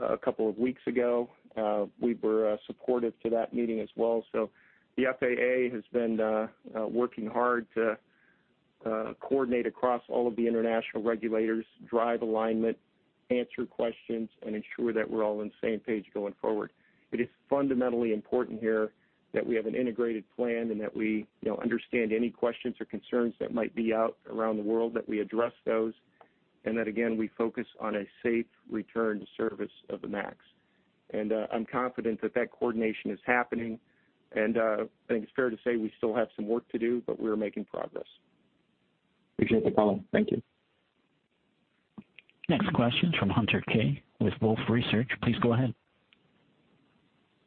a couple of weeks ago. We were supportive to that meeting as well. The FAA has been working hard to coordinate across all of the international regulators, drive alignment, answer questions, and ensure that we're all on the same page going forward. It is fundamentally important here that we have an integrated plan and that we understand any questions or concerns that might be out around the world, that we address those. We focus on a safe return to service of the MAX. I'm confident that that coordination is happening, and I think it's fair to say we still have some work to do, but we are making progress. Appreciate the call. Thank you. Next question is from Hunter Keay with Wolfe Research. Please go ahead.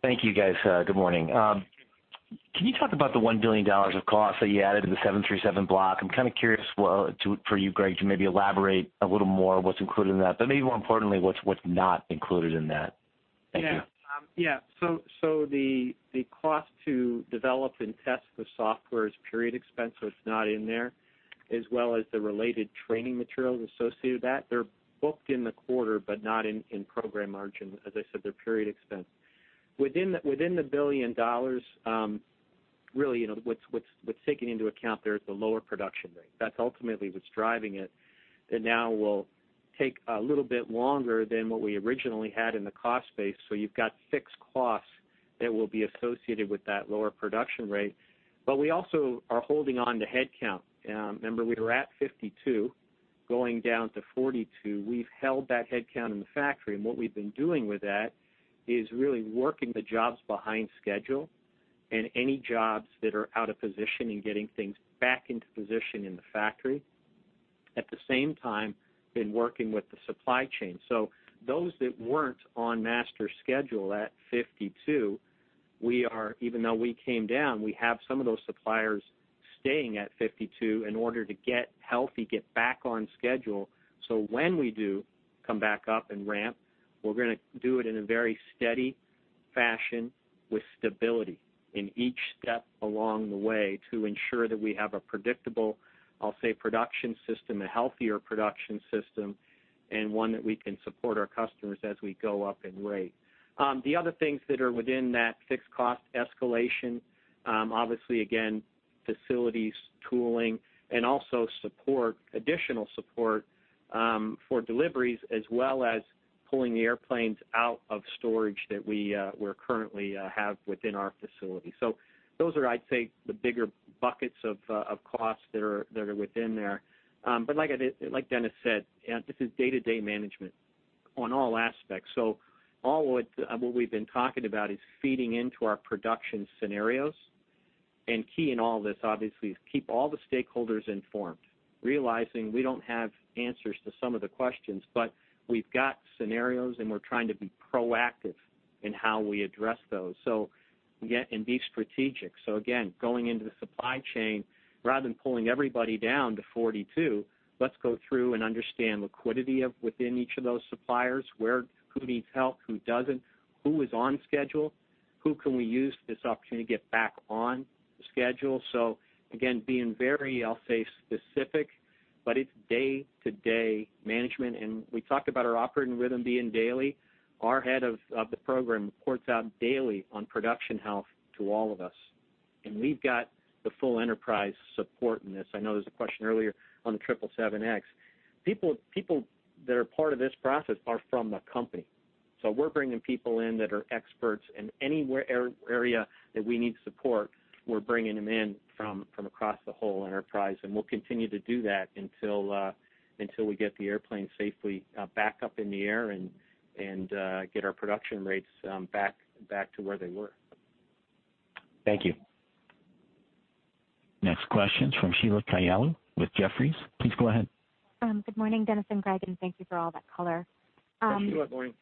Thank you, guys. Good morning. Can you talk about the $1 billion of cost that you added in the 737 block? I'm kind of curious, for you, Greg, to maybe elaborate a little more what's included in that, but maybe more importantly, what's not included in that. Thank you. Yeah. The cost to develop and test the software is period expense, so it's not in there, as well as the related training materials associated with that. They're booked in the quarter, but not in program margin. As I said, they're period expense. Within the $1 billion, really, what's taken into account there is the lower production rate. That's ultimately what's driving it, that now will take a little bit longer than what we originally had in the cost base. You've got fixed costs that will be associated with that lower production rate. We also are holding on to headcount. Remember, we were at 52 going down to 42. We've held that headcount in the factory, and what we've been doing with that is really working the jobs behind schedule and any jobs that are out of position and getting things back into position in the factory, at the same time, been working with the supply chain. Those that weren't on master schedule at 52, even though we came down, we have some of those suppliers staying at 52 in order to get healthy, get back on schedule. When we do come back up and ramp, we're going to do it in a very steady fashion with stability in each step along the way to ensure that we have a predictable, I'll say, production system, a healthier production system, and one that we can support our customers as we go up in rate. The other things that are within that fixed cost escalation, obviously again, facilities, tooling, and also additional support for deliveries as well as pulling the airplanes out of storage that we currently have within our facility. Those are, I'd say, the bigger buckets of cost that are within there. Like Dennis said, this is day-to-day management on all aspects. All what we've been talking about is feeding into our production scenarios. Key in all this, obviously, is keep all the stakeholders informed, realizing we don't have answers to some of the questions, but we've got scenarios, and we're trying to be proactive in how we address those and be strategic. Again, going into the supply chain, rather than pulling everybody down to 42, let's go through and understand liquidity within each of those suppliers, who needs help, who doesn't, who is on schedule, who can we use this opportunity to get back on schedule. Again, being very, I'll say, specific, but it's day-to-day management. We talked about our operating rhythm being daily. Our head of the program reports out daily on production health to all of us. We've got the full enterprise support in this. I know there was a question earlier on the 777X. People that are part of this process are from the company. We're bringing people in that are experts in any area that we need support. We're bringing them in from across the whole enterprise, we'll continue to do that until we get the airplane safely back up in the air and get our production rates back to where they were. Thank you. Next question is from Sheila Kahyaoglu with Jefferies. Please go ahead. Good morning, Dennis and Greg, thank you for all that color. Hi, Sheila. Morning.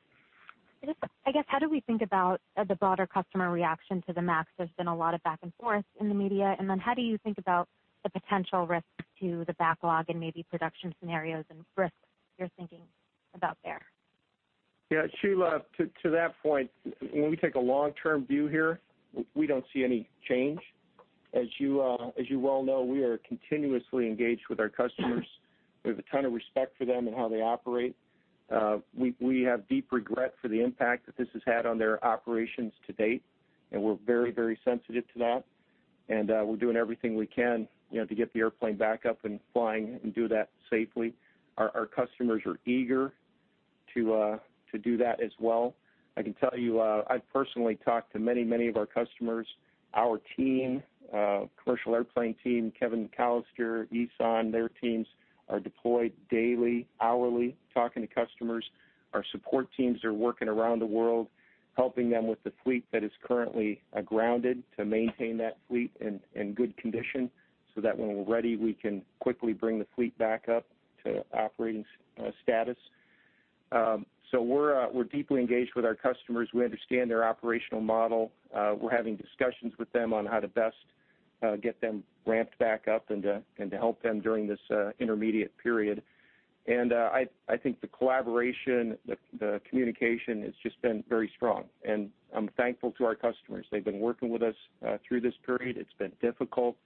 I guess, how do we think about the broader customer reaction to the MAX? There's been a lot of back and forth in the media. Then how do you think about the potential risks to the backlog and maybe production scenarios and risks you're thinking about there? Yeah, Sheila, to that point, when we take a long-term view here, we don't see any change. As you well know, we are continuously engaged with our customers. We have a ton of respect for them and how they operate. We have deep regret for the impact that this has had on their operations to date, and we're very sensitive to that. We're doing everything we can to get the airplane back up and flying and do that safely. Our customers are eager to do that as well. I can tell you, I've personally talked to many of our customers. Our team, commercial airplane team, Kevin McAllister, Ihssane, their teams are deployed daily, hourly, talking to customers. Our support teams are working around the world, helping them with the fleet that is currently grounded to maintain that fleet in good condition so that when we're ready, we can quickly bring the fleet back up to operating status. We're deeply engaged with our customers. We understand their operational model. We're having discussions with them on how to best get them ramped back up and to help them during this intermediate period. I think the collaboration, the communication has just been very strong, and I'm thankful to our customers. They've been working with us through this period. It's been difficult.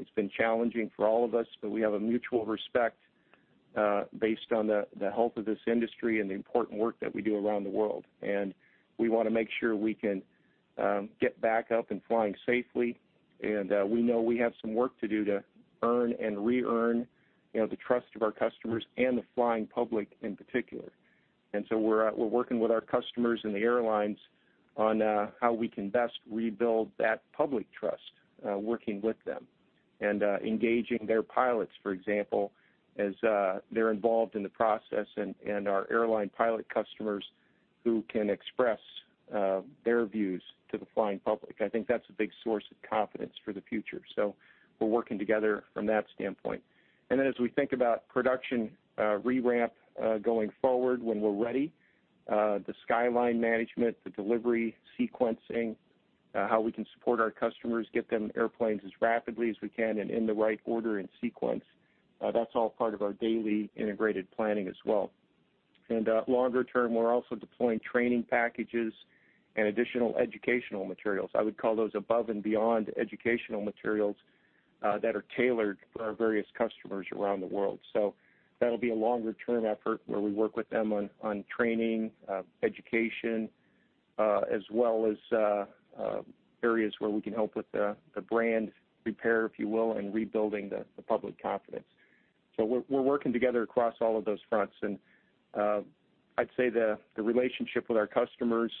It's been challenging for all of us, but we have a mutual respect based on the health of this industry and the important work that we do around the world. We want to make sure we can get back up and flying safely, and we know we have some work to do to earn and re-earn the trust of our customers and the flying public in particular. We're working with our customers and the airlines on how we can best rebuild that public trust, working with them and engaging their pilots, for example, as they're involved in the process, and our airline pilot customers who can express their views to the flying public. I think that's a big source of confidence for the future. We're working together from that standpoint. As we think about production re-ramp going forward, when we're ready, the skyline management, the delivery sequencing, how we can support our customers, get them airplanes as rapidly as we can and in the right order and sequence, that's all part of our daily integrated planning as well. Longer term, we're also deploying training packages and additional educational materials. I would call those above and beyond educational materials that are tailored for our various customers around the world. That'll be a longer-term effort where we work with them on training, education, as well as areas where we can help with the brand repair, if you will, and rebuilding the public confidence. We're working together across all of those fronts. I'd say the relationship with our customers,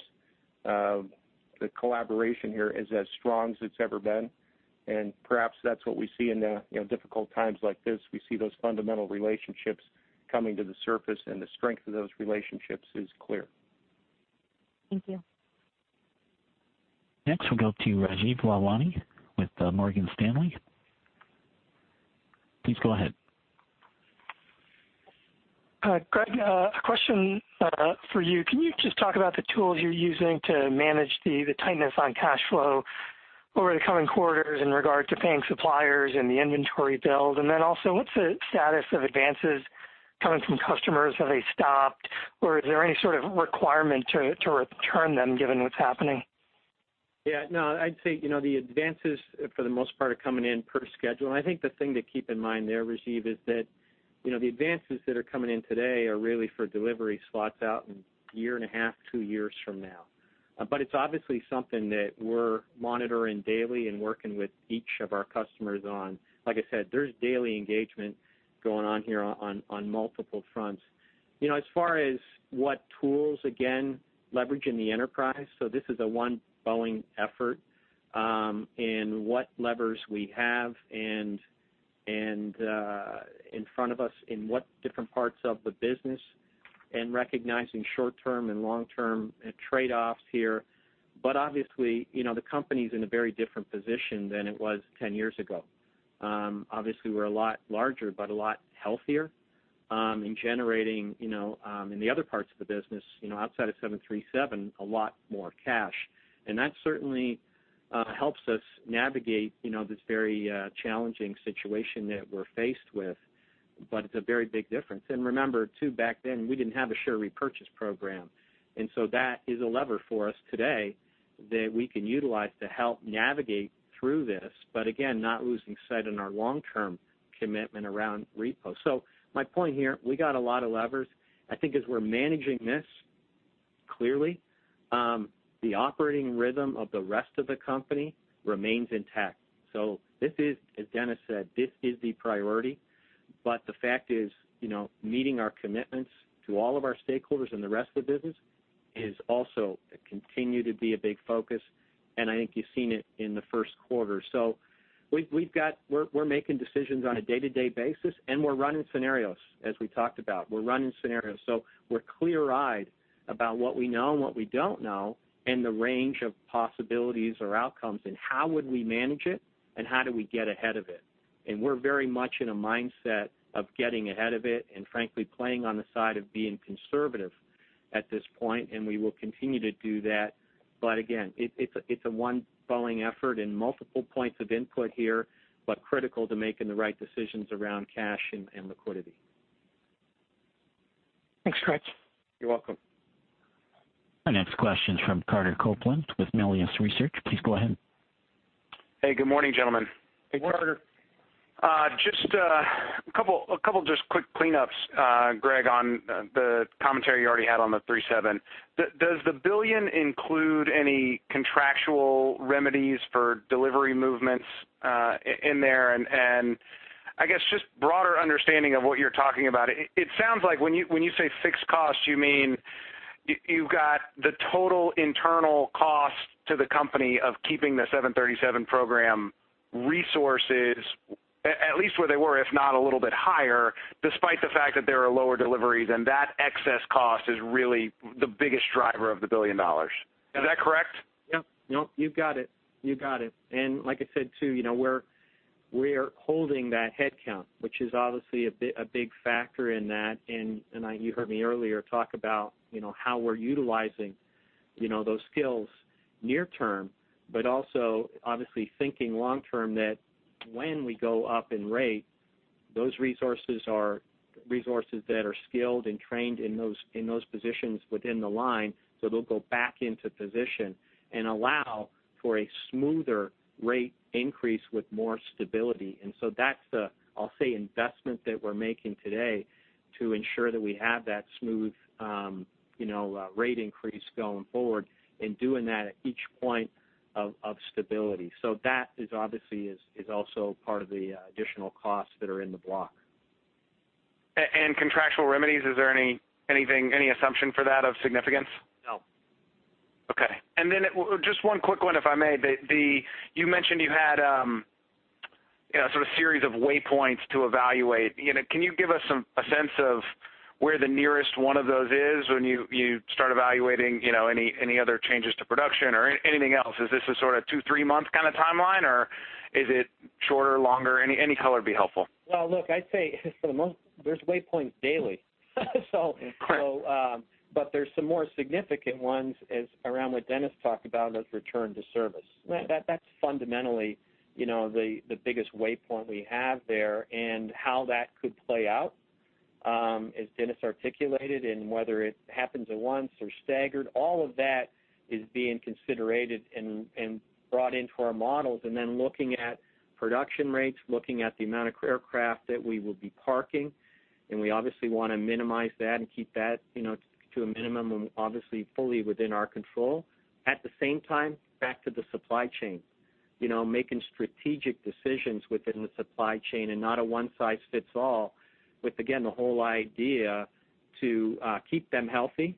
the collaboration here is as strong as it's ever been. Perhaps that's what we see in difficult times like this. We see those fundamental relationships coming to the surface, and the strength of those relationships is clear. Thank you. Next, we'll go to Rajeev Lalwani with Morgan Stanley. Please go ahead. Hi, Greg. A question for you. Can you just talk about the tools you're using to manage the tightness on cash flow over the coming quarters in regard to paying suppliers and the inventory build? Then also, what's the status of advances coming from customers? Have they stopped, or is there any sort of requirement to return them given what's happening? No, I'd say, the advances for the most part, are coming in per schedule. I think the thing to keep in mind there, Rajeev, is that the advances that are coming in today are really for delivery slots out in a year and a half, two years from now. It's obviously something that we're monitoring daily and working with each of our customers on. Like I said, there's daily engagement going on here on multiple fronts. As far as what tools, again, leveraging the enterprise, this is a One Boeing effort, what levers we have in front of us in what different parts of the business, recognizing short-term and long-term trade-offs here. Obviously, the company's in a very different position than it was 10 years ago. Obviously, we're a lot larger, but a lot healthier, and generating, in the other parts of the business, outside of 737, a lot more cash. That certainly helps us navigate this very challenging situation that we're faced with, but it's a very big difference. Remember, too, back then, we didn't have a share repurchase program, that is a lever for us today that we can utilize to help navigate through this. Again, not losing sight in our long-term commitment around repo. My point here, we got a lot of levers. I think as we're managing this clearly, the operating rhythm of the rest of the company remains intact. This is, as Dennis said, this is the priority. The fact is, meeting our commitments to all of our stakeholders and the rest of the business is also continue to be a big focus, and I think you've seen it in the first quarter. We're making decisions on a day-to-day basis, and we're running scenarios, as we talked about. We're running scenarios. We're clear-eyed about what we know and what we don't know and the range of possibilities or outcomes and how would we manage it and how do we get ahead of it. We're very much in a mindset of getting ahead of it and frankly, playing on the side of being conservative at this point, and we will continue to do that. Again, it's a One Boeing effort and multiple points of input here, but critical to making the right decisions around cash and liquidity. Thanks, Greg. You're welcome. Our next question's from Carter Copeland with Melius Research. Please go ahead. Hey, good morning, gentlemen. Hey, Carter. Just a couple quick cleanups, Greg, on the commentary you already had on the 37. Does the $1 billion include any contractual remedies for delivery movements in there? I guess, just broader understanding of what you're talking about. It sounds like when you say fixed cost, you mean you've got the total internal cost to the company of keeping the 737 program resources, at least where they were, if not a little bit higher, despite the fact that there are lower deliveries, and that excess cost is really the biggest driver of the $1 billion. Is that correct? Yep. You've got it. You got it. Like I said, too, we're holding that head count, which is obviously a big factor in that. You heard me earlier talk about how we're utilizing those skills near term, also obviously thinking long term that when we go up in rate, those resources are resources that are skilled and trained in those positions within the line. They'll go back into position and allow for a smoother rate increase with more stability. That's the, I'll say, investment that we're making today to ensure that we have that smooth rate increase going forward and doing that at each point of stability. That obviously is also part of the additional costs that are in the block. contractual remedies, is there any assumption for that of significance? No. Okay. Just one quick one, if I may. You mentioned you had sort of series of waypoints to evaluate. Can you give us a sense of where the nearest one of those is when you start evaluating any other changes to production or anything else? Is this a sort of two, three-month kind of timeline, or is it shorter, longer? Any color would be helpful. Well, look, I'd say there's waypoints daily. Right. There's some more significant ones as around what Dennis talked about as return to service. That's fundamentally the biggest waypoint we have there, and how that could play out, as Dennis articulated, and whether it happens at once or staggered, all of that is being considered and brought into our models, then looking at production rates, looking at the amount of aircraft that we will be parking, and we obviously want to minimize that and keep that to a minimum and obviously fully within our control. At the same time, back to the supply chain. Making strategic decisions within the supply chain and not a one-size-fits-all with, again, the whole idea to keep them healthy,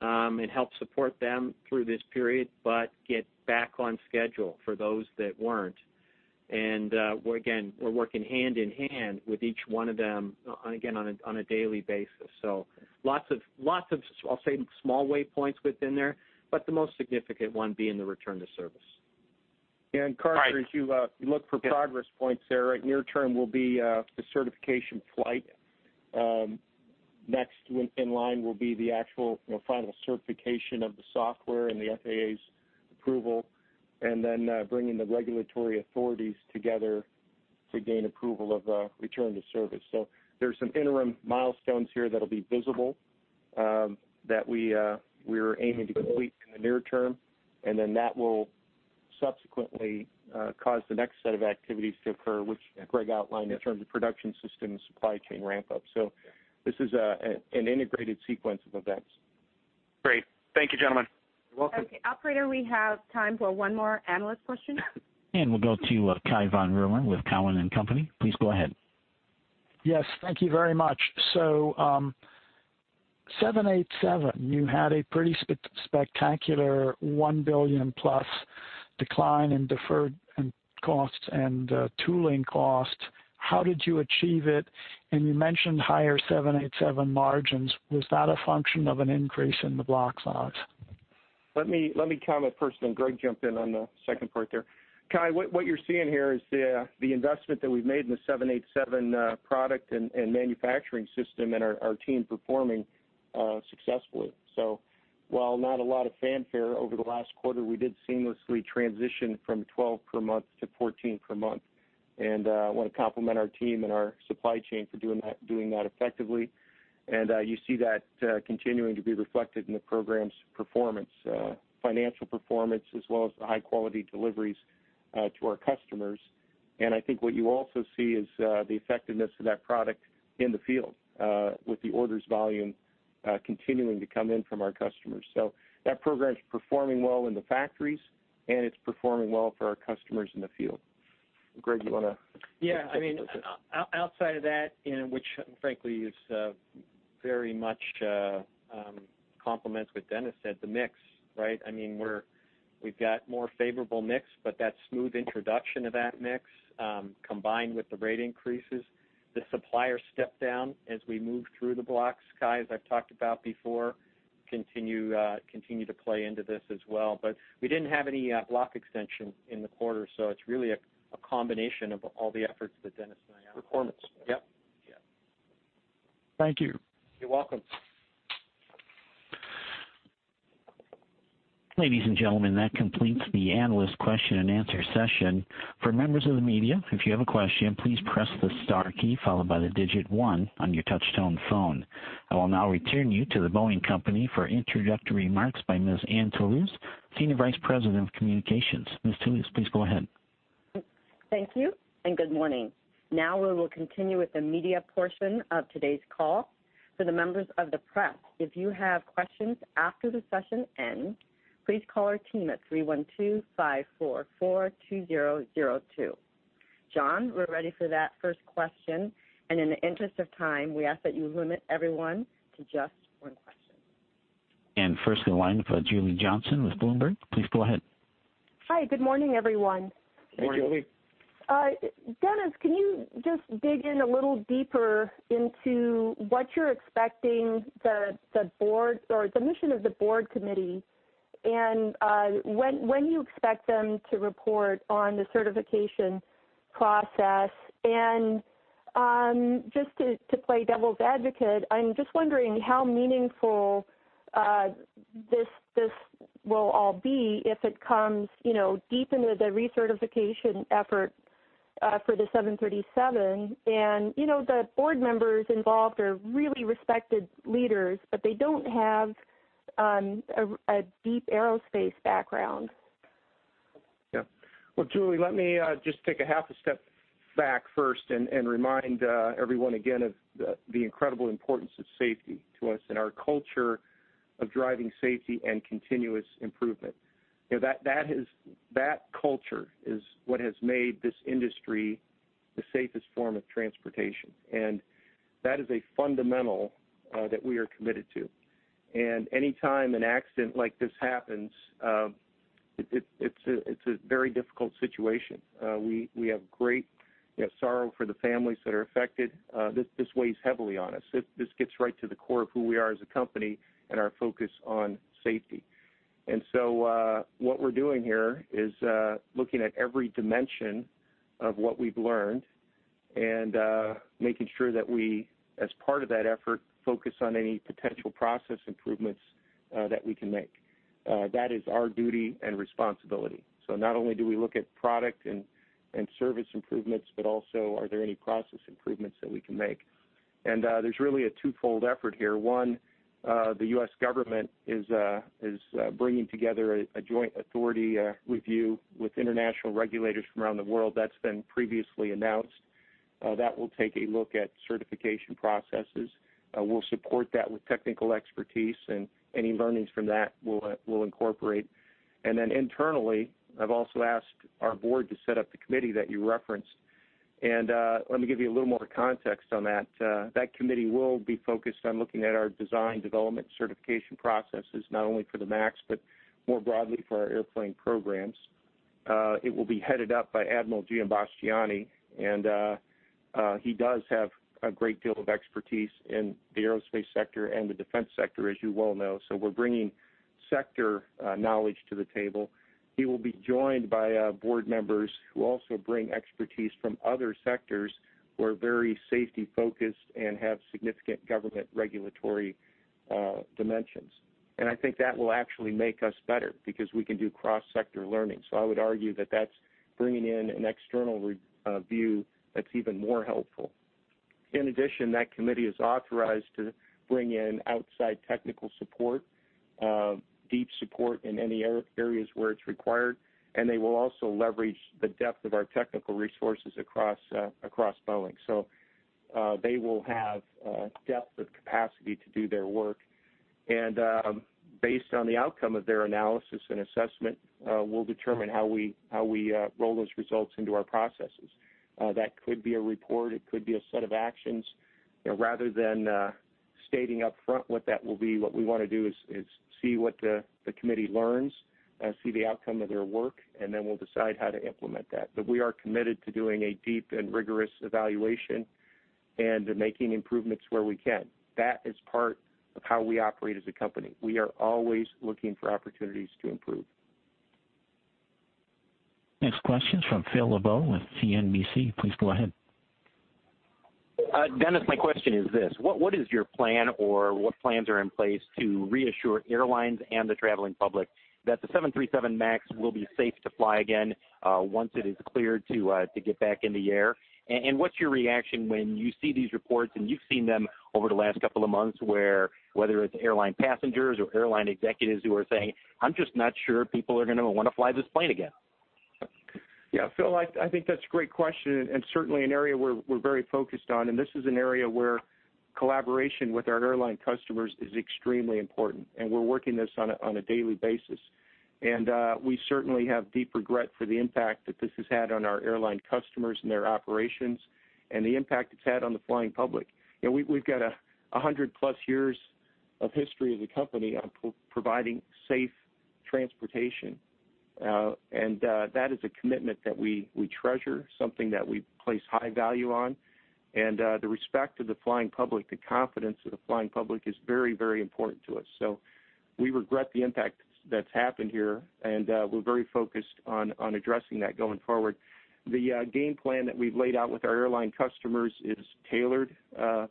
and help support them through this period, but get back on schedule for those that weren't. Again, we're working hand-in-hand with each one of them, again, on a daily basis. Lots of, I'll say, small waypoints within there, but the most significant one being the return to service. Right. Carter, as you look for progress points there, near term will be the certification flight. Next in line will be the actual final certification of the software and the FAA's approval, and then bringing the regulatory authorities together to gain approval of return to service. There's some interim milestones here that'll be visible that we're aiming to complete in the near term, and then that will subsequently cause the next set of activities to occur, which Greg outlined in terms of production systems, supply chain ramp up. This is an integrated sequence of events. Great. Thank you, gentlemen. You're welcome. Okay, operator, we have time for one more analyst question. We'll go to Cai von Rumohr with Cowen and Company. Please go ahead. Yes, thank you very much. 787, you had a pretty spectacular $1 billion-plus decline in deferred costs and tooling costs. How did you achieve it? You mentioned higher 787 margins. Was that a function of an increase in the block size? Let me comment first, and then Greg, jump in on the second part there. Cai, what you're seeing here is the investment that we've made in the 787 product and manufacturing system and our team performing successfully. While not a lot of fanfare over the last quarter, we did seamlessly transition from 12 per month to 14 per month. I want to compliment our team and our supply chain for doing that effectively. You see that continuing to be reflected in the program's performance, financial performance, as well as the high-quality deliveries to our customers. I think what you also see is the effectiveness of that product in the field, with the orders volume continuing to come in from our customers. That program's performing well in the factories, and it's performing well for our customers in the field. Greg, you want to- Yeah. I mean, outside of that, which frankly is very much compliments what Dennis said, the mix, right? I mean, we've got more favorable mix, that smooth introduction of that mix, combined with the rate increases, the supplier step down as we move through the blocks, Cai, as I've talked about before, continue to play into this as well. We didn't have any block extension in the quarter, so it's really a combination of all the efforts that Dennis and I- Performance. Yep. Thank you. You're welcome. Ladies and gentlemen, that completes the analyst question and answer session. For members of the media, if you have a question, please press the star key followed by the digit 1 on your touchtone phone. I will now return you to The Boeing Company for introductory remarks by Ms. Anne Toulouse, Senior Vice President of Communications. Ms. Toulouse, please go ahead. Thank you, good morning. Now we will continue with the media portion of today's call. For the members of the press, if you have questions after the session ends, please call our team at 312-544-2002. John, we're ready for that first question. In the interest of time, we ask that you limit everyone to just one question. First in line, Julie Johnsson with Bloomberg. Please go ahead. Hi, good morning, everyone. Good morning, Julie. Dennis, can you just dig in a little deeper into what you're expecting the mission of the board committee, and when you expect them to report on the certification process? Just to play devil's advocate, I'm just wondering how meaningful this will all be if it comes deep into the recertification effort for the 737. The board members involved are really respected leaders, but they don't have a deep aerospace background. Well, Julie, let me just take a half a step back first and remind everyone again of the incredible importance of safety to us and our culture of driving safety and continuous improvement. That culture is what has made this industry the safest form of transportation, and that is a fundamental that we are committed to. Any time an accident like this happens, it's a very difficult situation. We have great sorrow for the families that are affected. This weighs heavily on us. This gets right to the core of who we are as a company and our focus on safety. What we're doing here is looking at every dimension of what we've learned and making sure that we, as part of that effort, focus on any potential process improvements that we can make. That is our duty and responsibility. Not only do we look at product and service improvements, but also are there any process improvements that we can make. There's really a twofold effort here. One, the U.S. government is bringing together a joint authority review with international regulators from around the world. That's been previously announced. That will take a look at certification processes. We'll support that with technical expertise and any learnings from that, we'll incorporate. Then internally, I've also asked our board to set up the committee that you referenced. Let me give you a little more context on that. That committee will be focused on looking at our design development certification processes, not only for the 737 MAX, but more broadly for our airplane programs. It will be headed up by Admiral Giambastiani, he does have a great deal of expertise in the aerospace sector and the defense sector, as you well know. We're bringing sector knowledge to the table. He will be joined by board members who also bring expertise from other sectors who are very safety-focused and have significant government regulatory dimensions. I think that will actually make us better because we can do cross-sector learning. I would argue that that's bringing in an external view that's even more helpful. In addition, that committee is authorized to bring in outside technical support, deep support in any areas where it's required, and they will also leverage the depth of our technical resources across Boeing. They will have depth of capacity to do their work. Based on the outcome of their analysis and assessment, we'll determine how we roll those results into our processes. That could be a report, it could be a set of actions. Rather than stating up front what that will be, what we want to do is see what the committee learns, see the outcome of their work, then we'll decide how to implement that. We are committed to doing a deep and rigorous evaluation and to making improvements where we can. That is part of how we operate as a company. We are always looking for opportunities to improve. Next question's from Phil LeBeau with CNBC. Please go ahead. Dennis, my question is this. What is your plan, or what plans are in place to reassure airlines and the traveling public that the 737 MAX will be safe to fly again once it is cleared to get back in the air? What's your reaction when you see these reports, and you've seen them over the last couple of months, where whether it's airline passengers or airline executives who are saying, "I'm just not sure people are going to want to fly this plane again. Yeah, Phil, I think that's a great question, certainly an area we're very focused on. This is an area where collaboration with our airline customers is extremely important, we're working this on a daily basis. We certainly have deep regret for the impact that this has had on our airline customers and their operations and the impact it's had on the flying public. We've got 100-plus years of history as a company on providing safe transportation, that is a commitment that we treasure, something that we place high value on. The respect of the flying public, the confidence of the flying public is very important to us. We regret the impact that's happened here, we're very focused on addressing that going forward. The game plan that we've laid out with our airline customers is tailored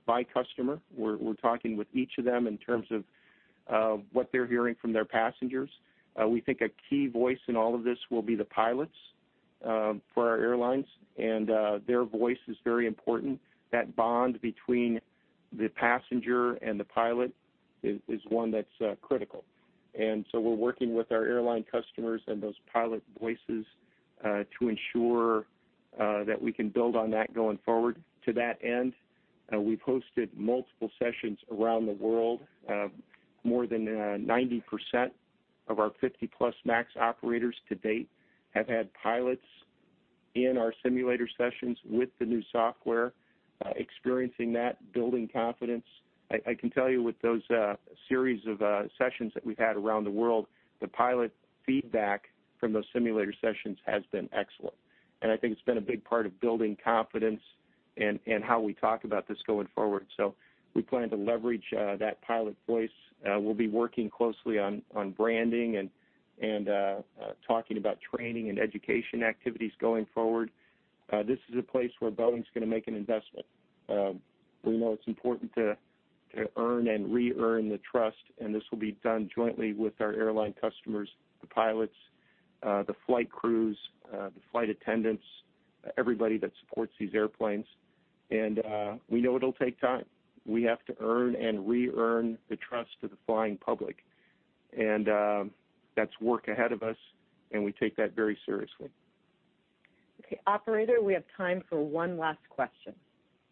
by customer. We're talking with each of them in terms of what they're hearing from their passengers. We think a key voice in all of this will be the pilots for our airlines, and their voice is very important. That bond between the passenger and the pilot is one that's critical. We're working with our airline customers and those pilot voices to ensure that we can build on that going forward. To that end, we've hosted multiple sessions around the world. More than 90% of our 50-plus MAX operators to date have had pilots in our simulator sessions with the new software, experiencing that, building confidence. I can tell you with those series of sessions that we've had around the world, the pilot feedback from those simulator sessions has been excellent, and I think it's been a big part of building confidence in how we talk about this going forward. We plan to leverage that pilot voice. We'll be working closely on branding and talking about training and education activities going forward. This is a place where Boeing's going to make an investment. We know it's important to earn and re-earn the trust, this will be done jointly with our airline customers, the pilots, the flight crews, the flight attendants, everybody that supports these airplanes. We know it'll take time. We have to earn and re-earn the trust of the flying public. That's work ahead of us, and we take that very seriously. Okay, operator, we have time for one last question.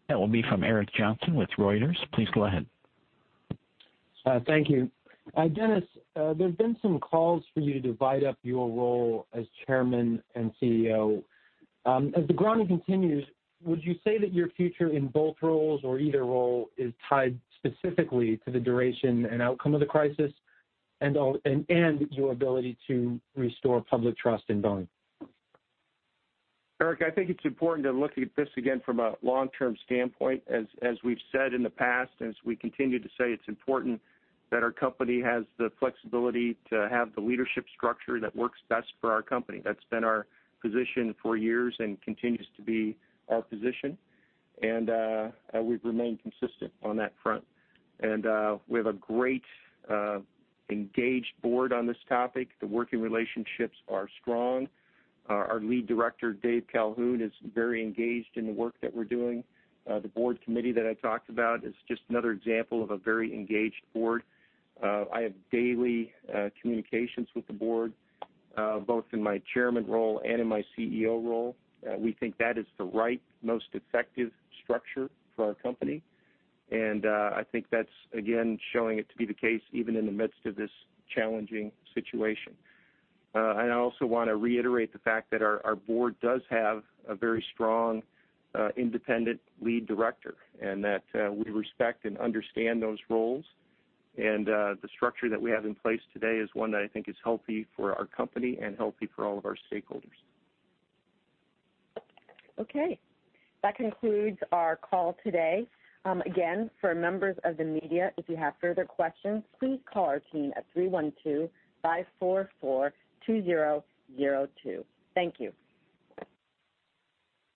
That will be from Eric Johnson with Reuters. Please go ahead. Thank you. Dennis, there's been some calls for you to divide up your role as Chairman and CEO. As the grounding continues, would you say that your future in both roles or either role is tied specifically to the duration and outcome of the crisis and your ability to restore public trust in Boeing? Eric, I think it's important to look at this again from a long-term standpoint. As we've said in the past, as we continue to say, it's important that our company has the flexibility to have the leadership structure that works best for our company. That's been our position for years and continues to be our position. We've remained consistent on that front. We have a great, engaged board on this topic. The working relationships are strong. Our Lead Director, Dave Calhoun, is very engaged in the work that we're doing. The board committee that I talked about is just another example of a very engaged board. I have daily communications with the board both in my Chairman role and in my CEO role. We think that is the right, most effective structure for our company, I think that's, again, showing it to be the case even in the midst of this challenging situation. I also want to reiterate the fact that our board does have a very strong independent lead director, that we respect and understand those roles. The structure that we have in place today is one that I think is healthy for our company and healthy for all of our stakeholders. Okay. That concludes our call today. Again, for members of the media, if you have further questions, please call our team at 312-544-2002. Thank you.